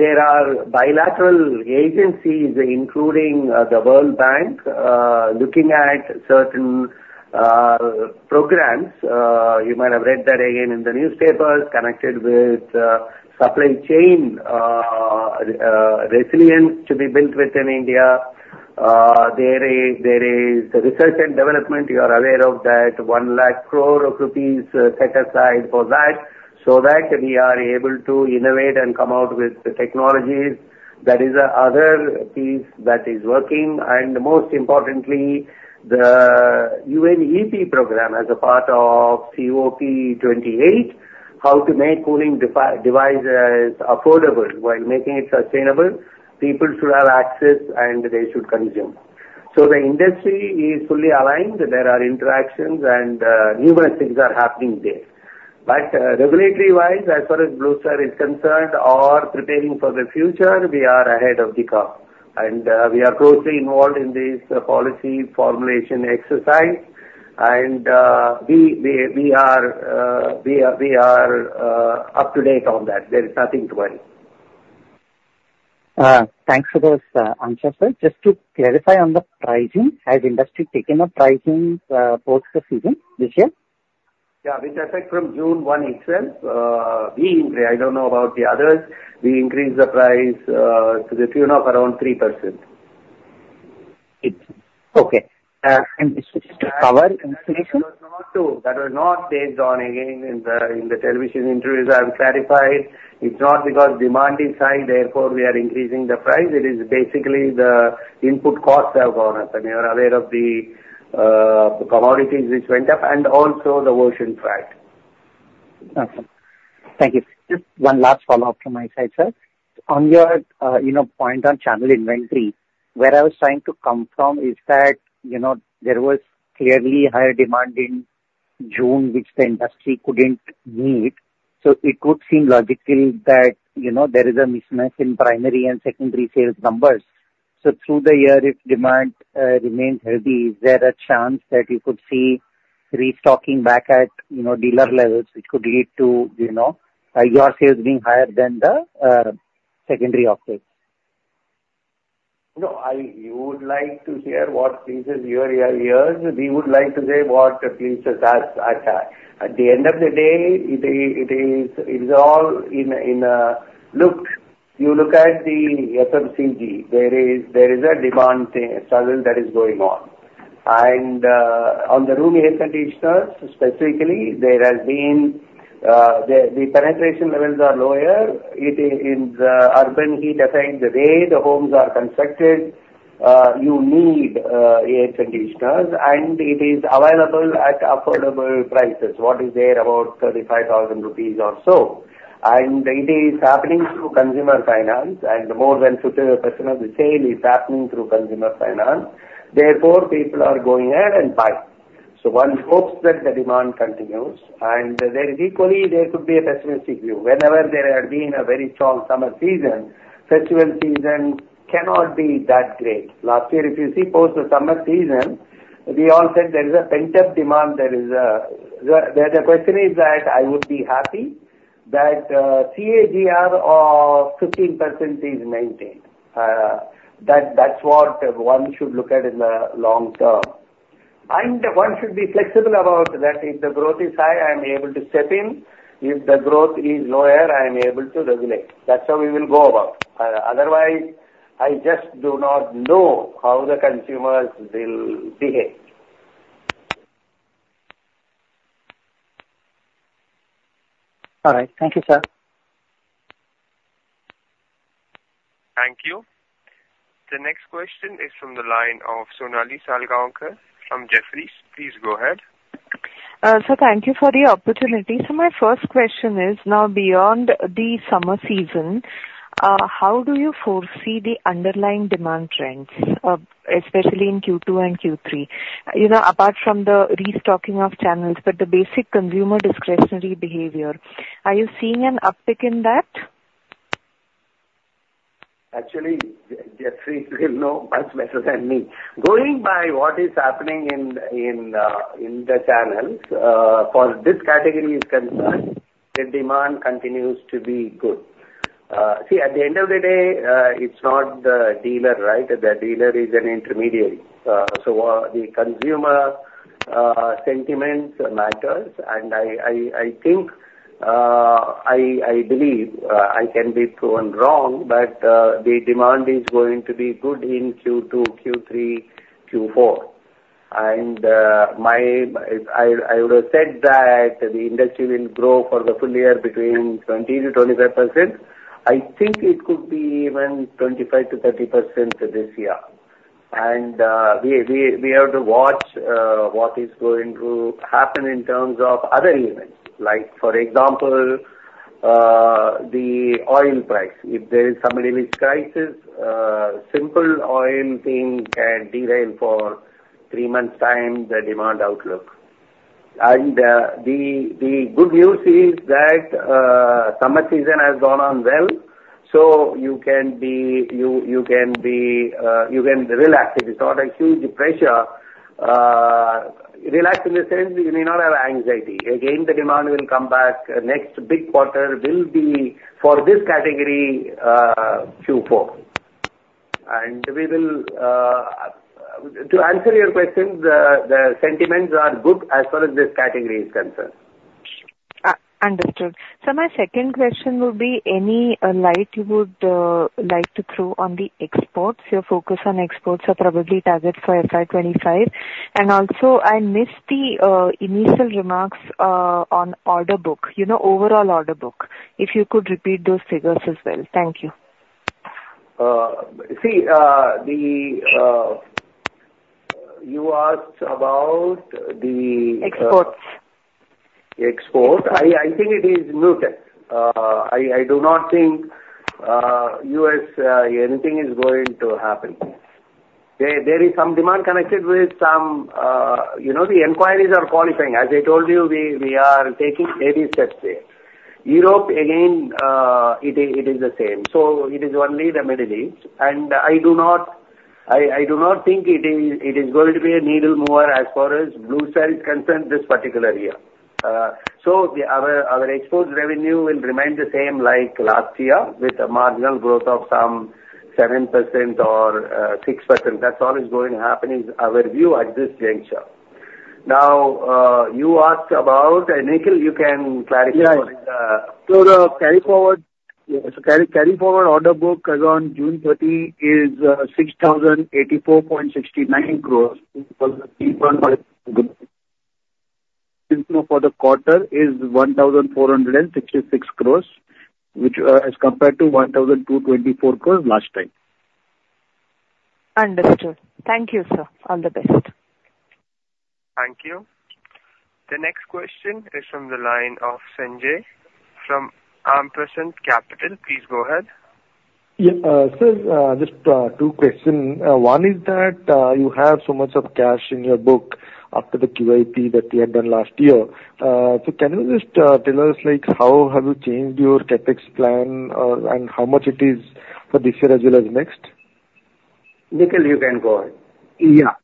There are bilateral agencies, including the World Bank, looking at certain programs. You might have read that again in the newspapers, connected with supply chain resilience to be built within India. There is, there is the research and development, you are aware of that, 100,000 crore rupees set aside for that, so that we are able to innovate and come out with the technologies. That is the other piece that is working. Most importantly, the UNEP program as a part of COP28, how to make cooling devices affordable while making it sustainable. People should have access, and they should consume. So the industry is fully aligned, there are interactions and numerous things are happening there. But regulatory-wise, as far as Blue Star is concerned or preparing for the future, we are ahead of the curve. And we are closely involved in this policy formulation exercise, and we are up to date on that. There is nothing to worry. Thanks for those answers, sir. Just to clarify on the pricing, has industry taken a pricing post the season this year? Yeah, with effect from June 1 itself, we increased, I don't know about the others. We increased the price to the tune of around 3%. It's okay. And just to cover- That was not to, that was not based on, again, in the, in the television interviews, I have clarified. It's not because demand is high, therefore we are increasing the price. It is basically the input costs have gone up, and you are aware of the, the commodities which went up and also the raw material price. Okay. Thank you. Just one last follow-up from my side, sir. On your, you know, point on channel inventory, where I was trying to come from is that, you know, there was clearly higher demand in June, which the industry couldn't meet. So it could seem logical that, you know, there is a mismatch in primary and secondary sales numbers. So through the year, if demand remains healthy, is there a chance that you could see restocking back at, you know, dealer levels, which could lead to, you know, your sales being higher than the secondary offsets? No, you would like to share what pleases your ears. We would like to say what pleases us, I tell. At the end of the day, it is all in a... look, you look at the FMCG; there is a demand cycle that is going on. And on the room air conditioners, specifically, there has been the penetration levels are lower. It is, in the urban heat effect, the way the homes are constructed, you need air conditioners, and it is available at affordable prices. What is there? About 35,000 rupees or so. And it is happening through consumer finance, and more than 50% of the sale is happening through consumer finance. Therefore, people are going ahead and buying. So one hopes that the demand continues, and there is equally, there could be a pessimistic view. Whenever there have been a very strong summer season, festival season cannot be that great. Last year, if you see post the summer season, we all said there is a pent-up demand, there is a... The question is that I would be happy that CAGR of 15% is maintained. That, that's what one should look at in the long term. And one should be flexible about that. If the growth is high, I'm able to step in. If the growth is lower, I am able to regulate. That's how we will go about. Otherwise, I just do not know how the consumers will behave. All right. Thank you, sir. Thank you. The next question is from the line of Sonali Salgaonkar from Jefferies. Please go ahead. Sir, thank you for the opportunity. So my first question is, now beyond the summer season, how do you foresee the underlying demand trends, especially in Q2 and Q3? You know, apart from the restocking of channels, but the basic consumer discretionary behavior, are you seeing an uptick in that? Actually, Jefferies will know much better than me. Going by what is happening in the channels, for this category is concerned, the demand continues to be good. See, at the end of the day, it's not the dealer, right? The dealer is an intermediary. So, the consumer sentiment matters, and I think I believe I can be proven wrong, but the demand is going to be good in Q2, Q3, Q4. And, I would have said that the industry will grow for the full year between 20%-25%. I think it could be even 25%-30% this year. And, we have to watch what is going to happen in terms of other events. Like, for example, the oil price. If there is some little crisis, simple oil thing can derail for three months' time, the demand outlook. And, the good news is that, summer season has gone on well. So you can relax a bit. It's not a huge pressure. Relax in the sense that you may not have anxiety. Again, the demand will come back. Next big quarter will be for this category, Q4. And we will, to answer your question, the sentiments are good as far as this category is concerned. Understood. So my second question would be any light you would like to throw on the exports. Your focus on exports are probably targeted for FY 2025. And also, I missed the initial remarks on order book, you know, overall order book, if you could repeat those figures as well. Thank you. You asked about the- Exports. Exports. I think it is muted. I do not think U.S. anything is going to happen. There is some demand connected with some, you know, the inquiries are qualifying. As I told you, we are taking baby steps there. Europe, again, it is the same. So it is only the Middle East. And I do not think it is going to be a needle mover as far as Blue Star is concerned this particular year. So our exports revenue will remain the same like last year, with a marginal growth of some 7% or 6%. That's all is going to happen in our view at this juncture. Now, you asked about, and, Nikhil, you can clarify. Yeah. So the carry forward order book as on June 30 is 6,084.69 crore. For the quarter is 1,466 crore, which as compared to 1,224 crore last time. Understood. Thank you, sir. All the best. Thank you. The next question is from the line of Sanjaya from Ampersand Capital. Please go ahead. Yeah, sir, just two questions. One is that you have so much cash in your books after the QIP that you had done last year. So can you just tell us, like, how have you changed your CapEx plan, and how much it is for this year as well as next? Nikhil, you can go ahead. Yeah.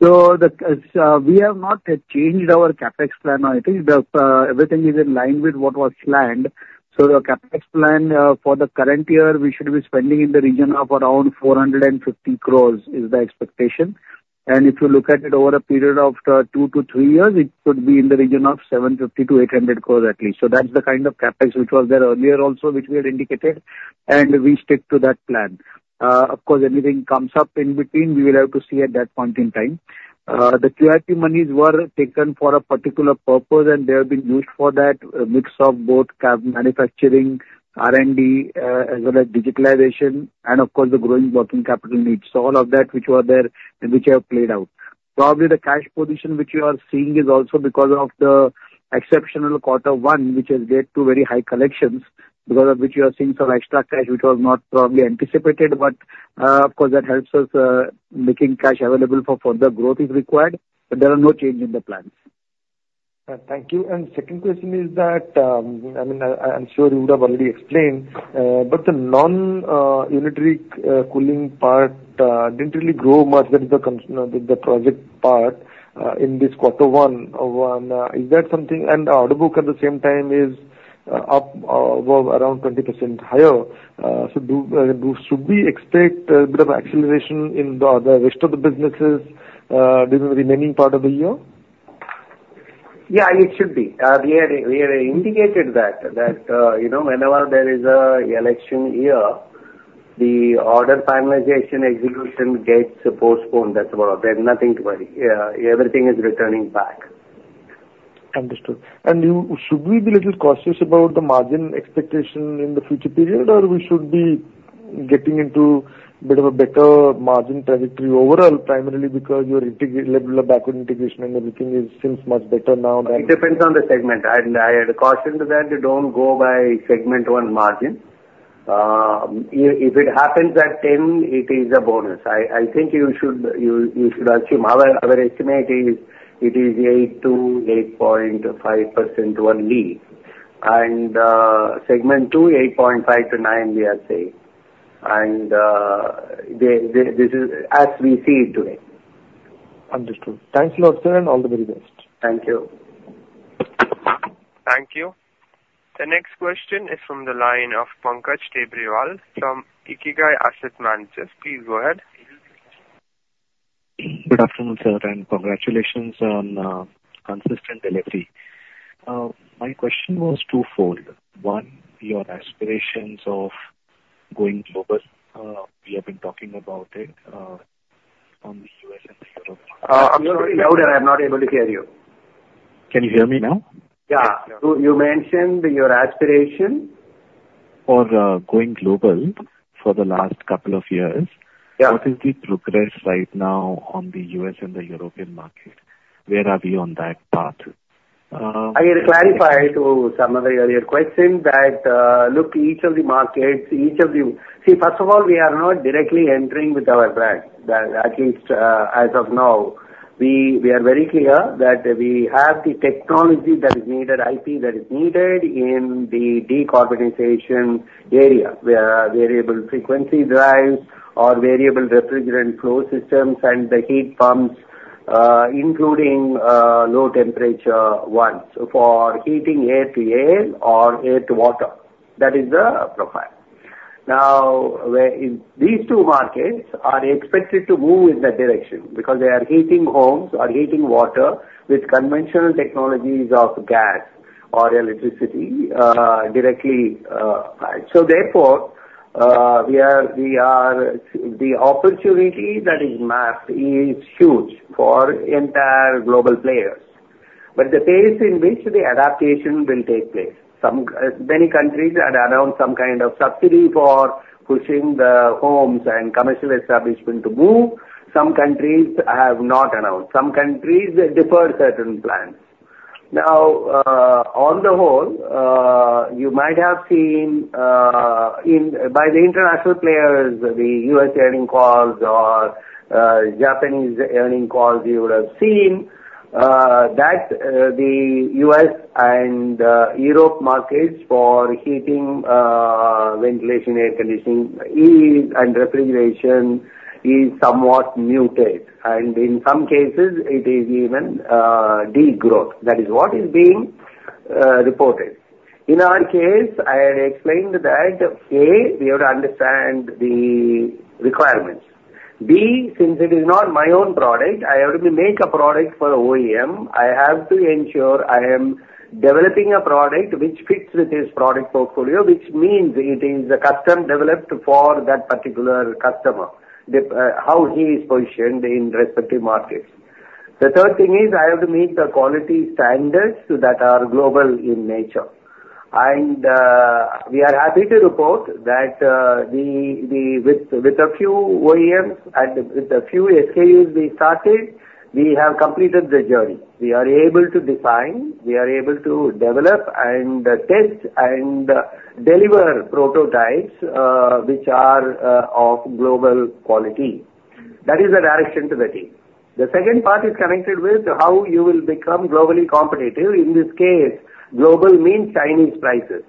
So the, we have not changed our CapEx plan or anything. The, everything is in line with what was planned. So the CapEx plan, for the current year, we should be spending in the region of around 450 crore, is the expectation. And if you look at it over a period of, two to three years, it should be in the region of 750 crore-800 crore at least. So that's the kind of CapEx which was there earlier also, which we had indicated, and we stick to that plan. Of course, anything comes up in between, we will have to see at that point in time. The QIP monies were taken for a particular purpose, and they have been used for that, a mix of both manufacturing, R&D, as well as digitalization, and of course, the growing working capital needs. So all of that which were there and which have played out. Probably the cash position which you are seeing is also because of the exceptional quarter one, which has led to very high collections, because of which you are seeing some extra cash, which was not probably anticipated. But, of course, that helps us, making cash available for further growth is required, but there are no change in the plans. Thank you. And second question is that, I mean, I'm sure you would have already explained, but the non-unitary cooling part didn't really grow much with the project part, in this quarter one, one. Is that something... And the order book at the same time is up, well, around 20% higher. So should we expect a bit of acceleration in the rest of the businesses during the remaining part of the year? Yeah, it should be. We are indicated that, you know, whenever there is an election year, the order finalization, execution gets postponed. That's about it. There's nothing to worry. Everything is returning back. Understood. And you, should we be a little cautious about the margin expectation in the future period, or we should be getting into a bit of a better margin trajectory overall, primarily because your integration level of backward integration and everything is, seems much better now than- It depends on the segment. I'd caution that you don't go by segment one margin. If it happens at 10, it is a bonus. I think you should assume our estimate is 8%-8.5% only. And segment two 8.5%-[9%] And this is as we see it today. Understood. Thanks a lot, sir, and all the very best. Thank you. Thank you. The next question is from the line of Pankaj Tibrewal from IKIGAI Asset Managers. Please go ahead. Good afternoon, sir, and congratulations on consistent delivery. My question was twofold. One, your aspirations of going global. We have been talking about it, on the U.S. and Europe. Louder, I'm not able to hear you. Can you hear me now? Yeah. Yeah. You, you mentioned your aspiration? For going global for the last couple of years. Yeah. What is the progress right now on the U.S. and the European market? Where are we on that path? I will clarify to some of your question that, look, each of the markets, each of the. See, first of all, we are not directly entering with our brand, at least as of now. We are very clear that we have the technology that is needed, IP that is needed in the decarbonization area, where variable frequency drives or variable refrigerant flow systems and the heat pumps, including low temperature ones for heating air to air or air to water. That is the profile. Now, where in these two markets are expected to move in that direction because they are heating homes or heating water with conventional technologies of gas or electricity directly applied. So therefore, the opportunity that is mapped is huge for entire global players. But the pace in which the adaptation will take place, some, many countries had announced some kind of subsidy for pushing the homes and commercial establishment to move. Some countries have not announced. Some countries deferred certain plans. Now, on the whole, you might have seen, in by the international players, the U.S. earning calls or, Japanese earning calls, you would have seen, that, the U.S. and, Europe markets for heating, ventilation, air conditioning is, and refrigeration is somewhat muted, and in some cases it is even, degrowth. That is what is being reported. In our case, I explained that, A, we have to understand the requirements. B, since it is not my own product, I have to make a product for OEM. I have to ensure I am developing a product which fits with his product portfolio, which means it is custom developed for that particular customer, how he is positioned in respective markets. The third thing is I have to meet the quality standards that are global in nature. And we are happy to report that, with a few OEMs and with a few SKUs we started, we have completed the journey. We are able to design, we are able to develop and test and deliver prototypes, which are, of global quality. That is the direction to the team. The second part is connected with how you will become globally competitive. In this case, global means Chinese prices.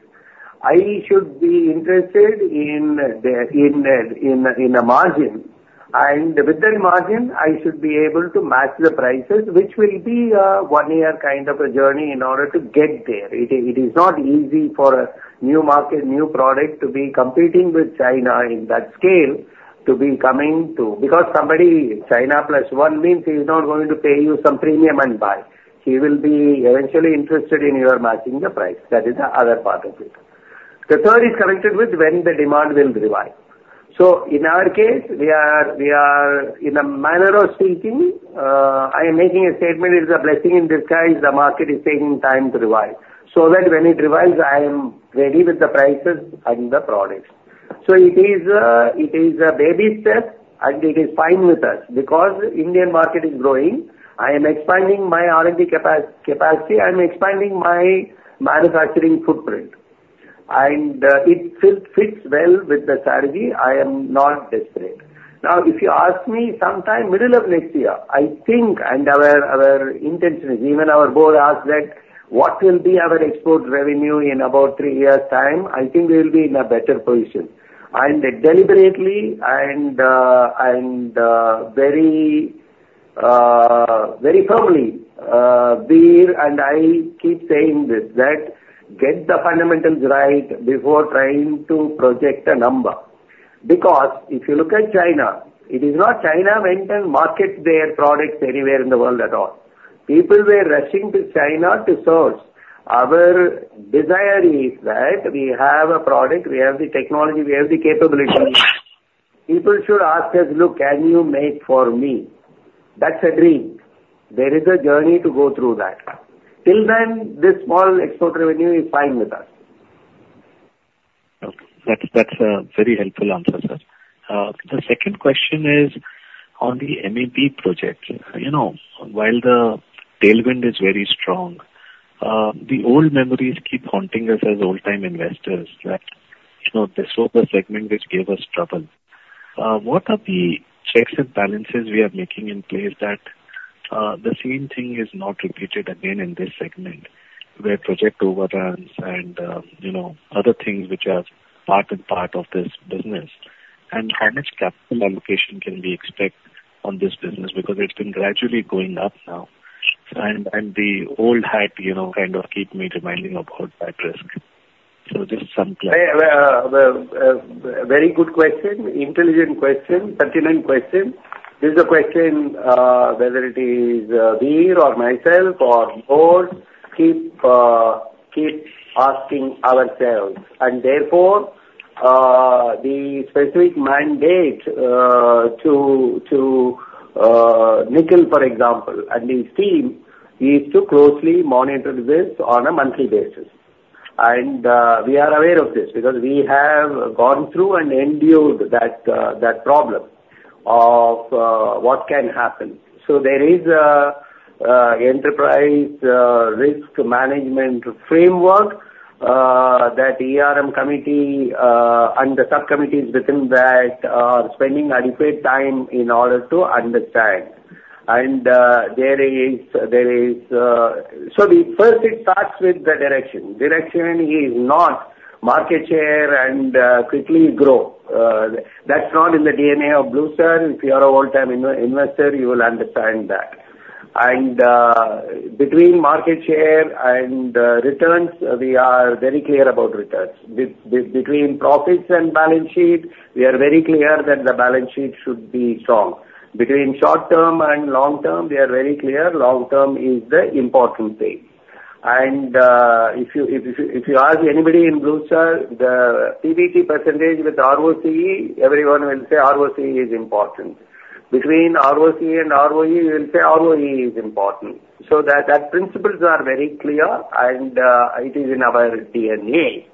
I should be interested in the margin, and with that margin, I should be able to match the prices, which will be a one-year kind of a journey in order to get there. It is not easy for a new market, new product to be competing with China in that scale, to be coming to, because somebody, China plus one means he's not going to pay you some premium and buy. He will be eventually interested in your matching the price. That is the other part of it. The third is connected with when the demand will revive. So in our case, we are in a manner of speaking. I am making a statement: it is a blessing in disguise. The market is taking time to revive, so that when it revives, I am ready with the prices and the products. So it is a baby step, and it is fine with us. Because the Indian market is growing, I am expanding my R&D capacity. I'm expanding my manufacturing footprint, and it fits well with the strategy. I am not desperate. Now, if you ask me sometime middle of next year, I think, and our intention is, even our board asked that, "What will be our export revenue in about three years' time?" I think we will be in a better position. And deliberately and, and, very, very firmly, Vir and I keep saying this, that get the fundamentals right before trying to project a number. Because if you look at China, it is not China went and market their products anywhere in the world at all. People were rushing to China to source. Our desire is that we have a product, we have the technology, we have the capability. People should ask us: "Look, can you make for me?" That's a dream. There is a journey to go through that. Till then, this small export revenue is fine with us. Okay. That's, that's a very helpful answer, sir. The second question is on the MEP project. You know, while the tailwind is very strong, the old memories keep haunting us as old-time investors that, you know, this was a segment which gave us trouble. What are the checks and balances we are making in place that the same thing is not repeated again in this segment, where project overruns and, you know, other things which are part and part of this business? And how much capital allocation can we expect on this business? Because it's been gradually going up now, and, and the old hat, you know, kind of keep me reminding about that risk. So just some clarity. Very good question, intelligent question, pertinent question. This is a question, whether it is, Vir or myself or board, keep asking ourselves. And therefore, the specific mandate, to, to, Nikhil, for example, and his team, is to closely monitor this on a monthly basis. And, we are aware of this, because we have gone through and endured that problem of, what can happen. So there is enterprise risk management framework, that ERM committee, and the subcommittees within that are spending adequate time in order to understand. And, there is, so the first it starts with the direction. Direction is not market share and, quickly grow. That's not in the DNA of Blue Star. If you are a old-time investor, you will understand that. Between market share and returns, we are very clear about returns. Between profits and balance sheet, we are very clear that the balance sheet should be strong. Between short term and long term, we are very clear, long term is the important thing. If you ask anybody in Blue Star, the PBT percentage with ROCE, everyone will say ROCE is important. Between ROCE and ROE, we will say ROE is important. So that principles are very clear, and it is in our DNA.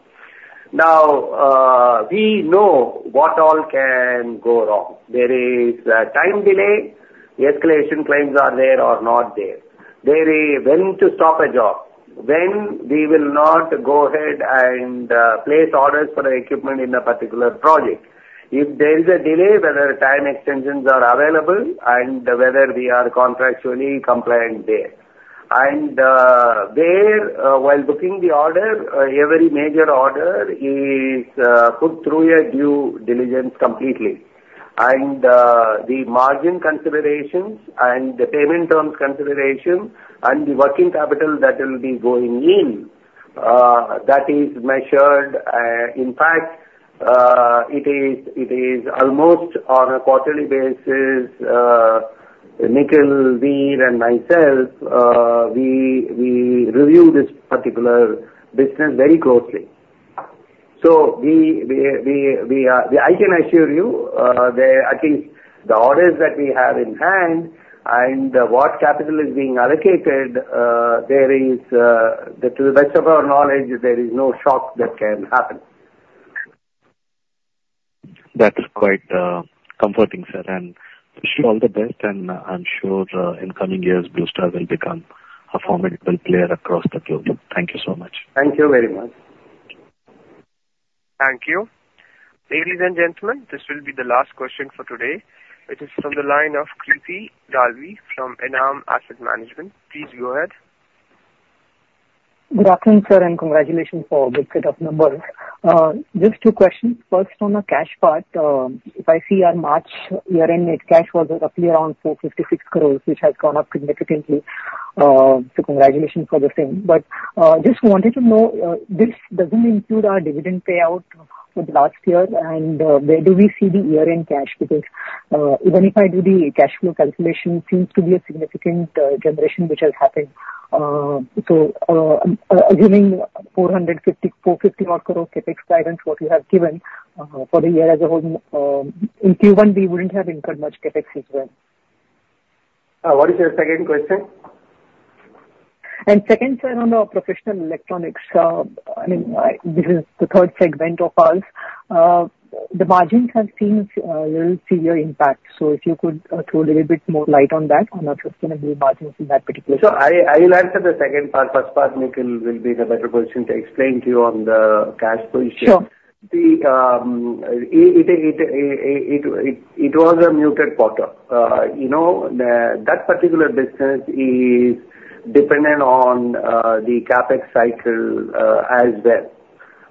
Now, we know what all can go wrong. There is a time delay, escalation claims are there or not there. There is when to stop a job, when we will not go ahead and place orders for equipment in a particular project. If there is a delay, whether time extensions are available, and whether we are contractually compliant there. And there, while booking the order, every major order is put through a due diligence completely. And, the margin considerations and the payment terms consideration and the working capital that will be going in, that is measured. In fact, it is almost on a quarterly basis, Nikhil, Vir and myself, we review this particular business very closely. So we are... I can assure you, the, I think the orders that we have in hand and what capital is being allocated, there is, to the best of our knowledge, there is no shock that can happen. That is quite comforting, sir, and wish you all the best. And I'm sure in coming years, Blue Star will become a formidable player across the globe. Thank you so much. Thank you very much. Thank you. Ladies and gentlemen, this will be the last question for today. It is from the line of Kriti Dalvi from Enam Asset Management. Please go ahead. Good afternoon, sir, and congratulations for good set of numbers. Just two questions. First, on the cash part, if I see our March year-end, net cash was roughly around 456 crore, which has gone up significantly. So congratulations for the same. But just wanted to know, this doesn't include our dividend payout for the last year, and where do we see the year-end cash? Because even if I do the cash flow calculation, it seems to be a significant generation which has happened. So assuming 450 crore CapEx guidance, what you have given, for the year as a whole, in Q1, we wouldn't have incurred much CapEx as well. What is your second question? Second, sir, on the professional electronics, I mean, this is the third segment of ours. The margins have seen a little severe impact, so if you could throw a little bit more light on that, on what was going to be margins in that particular- I will answer the second part. First part, Nikhil will be the better person to explain to you on the cash position. Sure. It was a muted quarter. You know, that particular business is dependent on the CapEx cycle as well.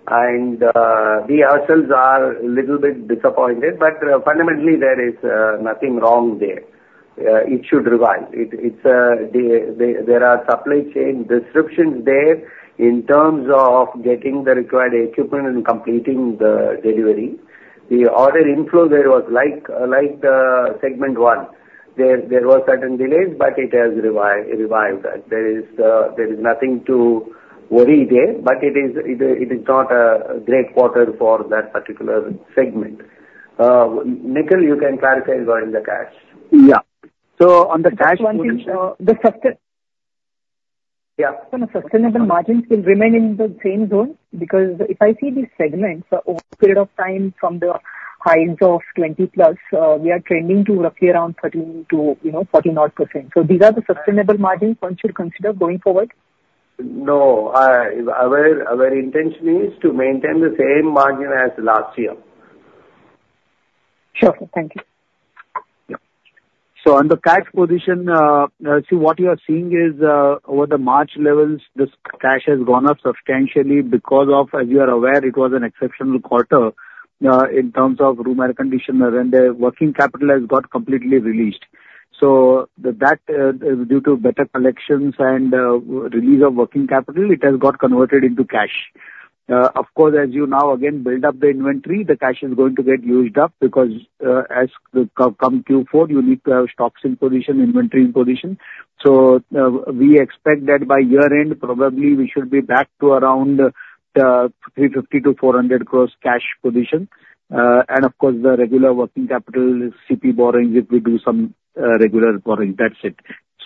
And we ourselves are a little bit disappointed, but fundamentally, there is nothing wrong there. It should revive. It is that there are supply chain disruptions there in terms of getting the required equipment and completing the delivery. The order inflow there was like segment one. There were certain delays, but it has revived. There is nothing to worry there, but it is not a great quarter for that particular segment. Nikhil, you can clarify regarding the cash. Yeah. So on the cash- One thing, the sustain- Yeah. You know, sustainable margins will remain in the same zone? Because if I see the segments over a period of time, from the highs of 20+, we are trending to roughly around 13% to, you know, 14 odd %. So these are the sustainable margin one should consider going forward? No, our intention is to maintain the same margin as last year. Sure. Thank you. Yeah. So on the cash position, see, what you are seeing is over the March levels, this cash has gone up substantially because of, as you are aware, it was an exceptional quarter in terms of room air conditioner, and the working capital has got completely released. So that, due to better collections and release of working capital, it has got converted into cash. Of course, as you now again build up the inventory, the cash is going to get used up, because as comes Q4, you need to have stocks in position, inventory in position. So we expect that by year-end, probably we should be back to around 350 crore-400 crores cash position. And of course, the regular working capital, CP borrowings, if we do some regular borrowing, that's it.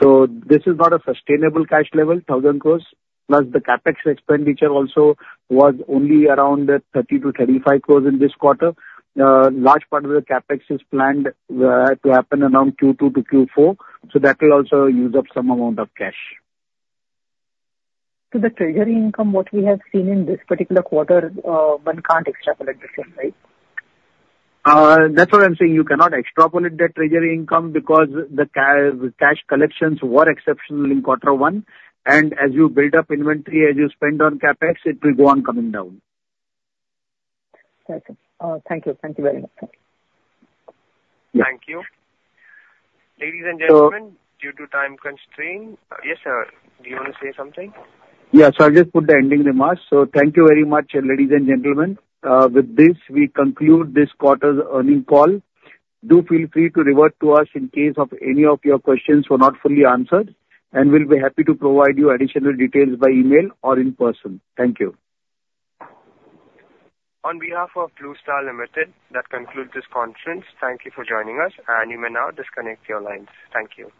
So this is not a sustainable cash level, 1,000 crore, plus the CapEx expenditure also was only around 30 crore-35 crore in this quarter. Large part of the CapEx is planned to happen around Q2 to Q4, so that will also use up some amount of cash. So the treasury income, what we have seen in this particular quarter, one can't extrapolate the same, right? That's what I'm saying. You cannot extrapolate the treasury income because the cash collections were exceptional in quarter one, and as you build up inventory, as you spend on CapEx, it will go on coming down. Okay. Thank you. Thank you very much. Thank you. Ladies and gentlemen- So- Due to time constraint... Yes, sir, do you want to say something? Yes, I'll just put the ending remarks. So thank you very much, ladies and gentlemen. With this, we conclude this quarter's earnings call. Do feel free to revert to us in case of any of your questions were not fully answered, and we'll be happy to provide you additional details by email or in person. Thank you. On behalf of Blue Star Limited, that concludes this conference. Thank you for joining us, and you may now disconnect your lines. Thank you.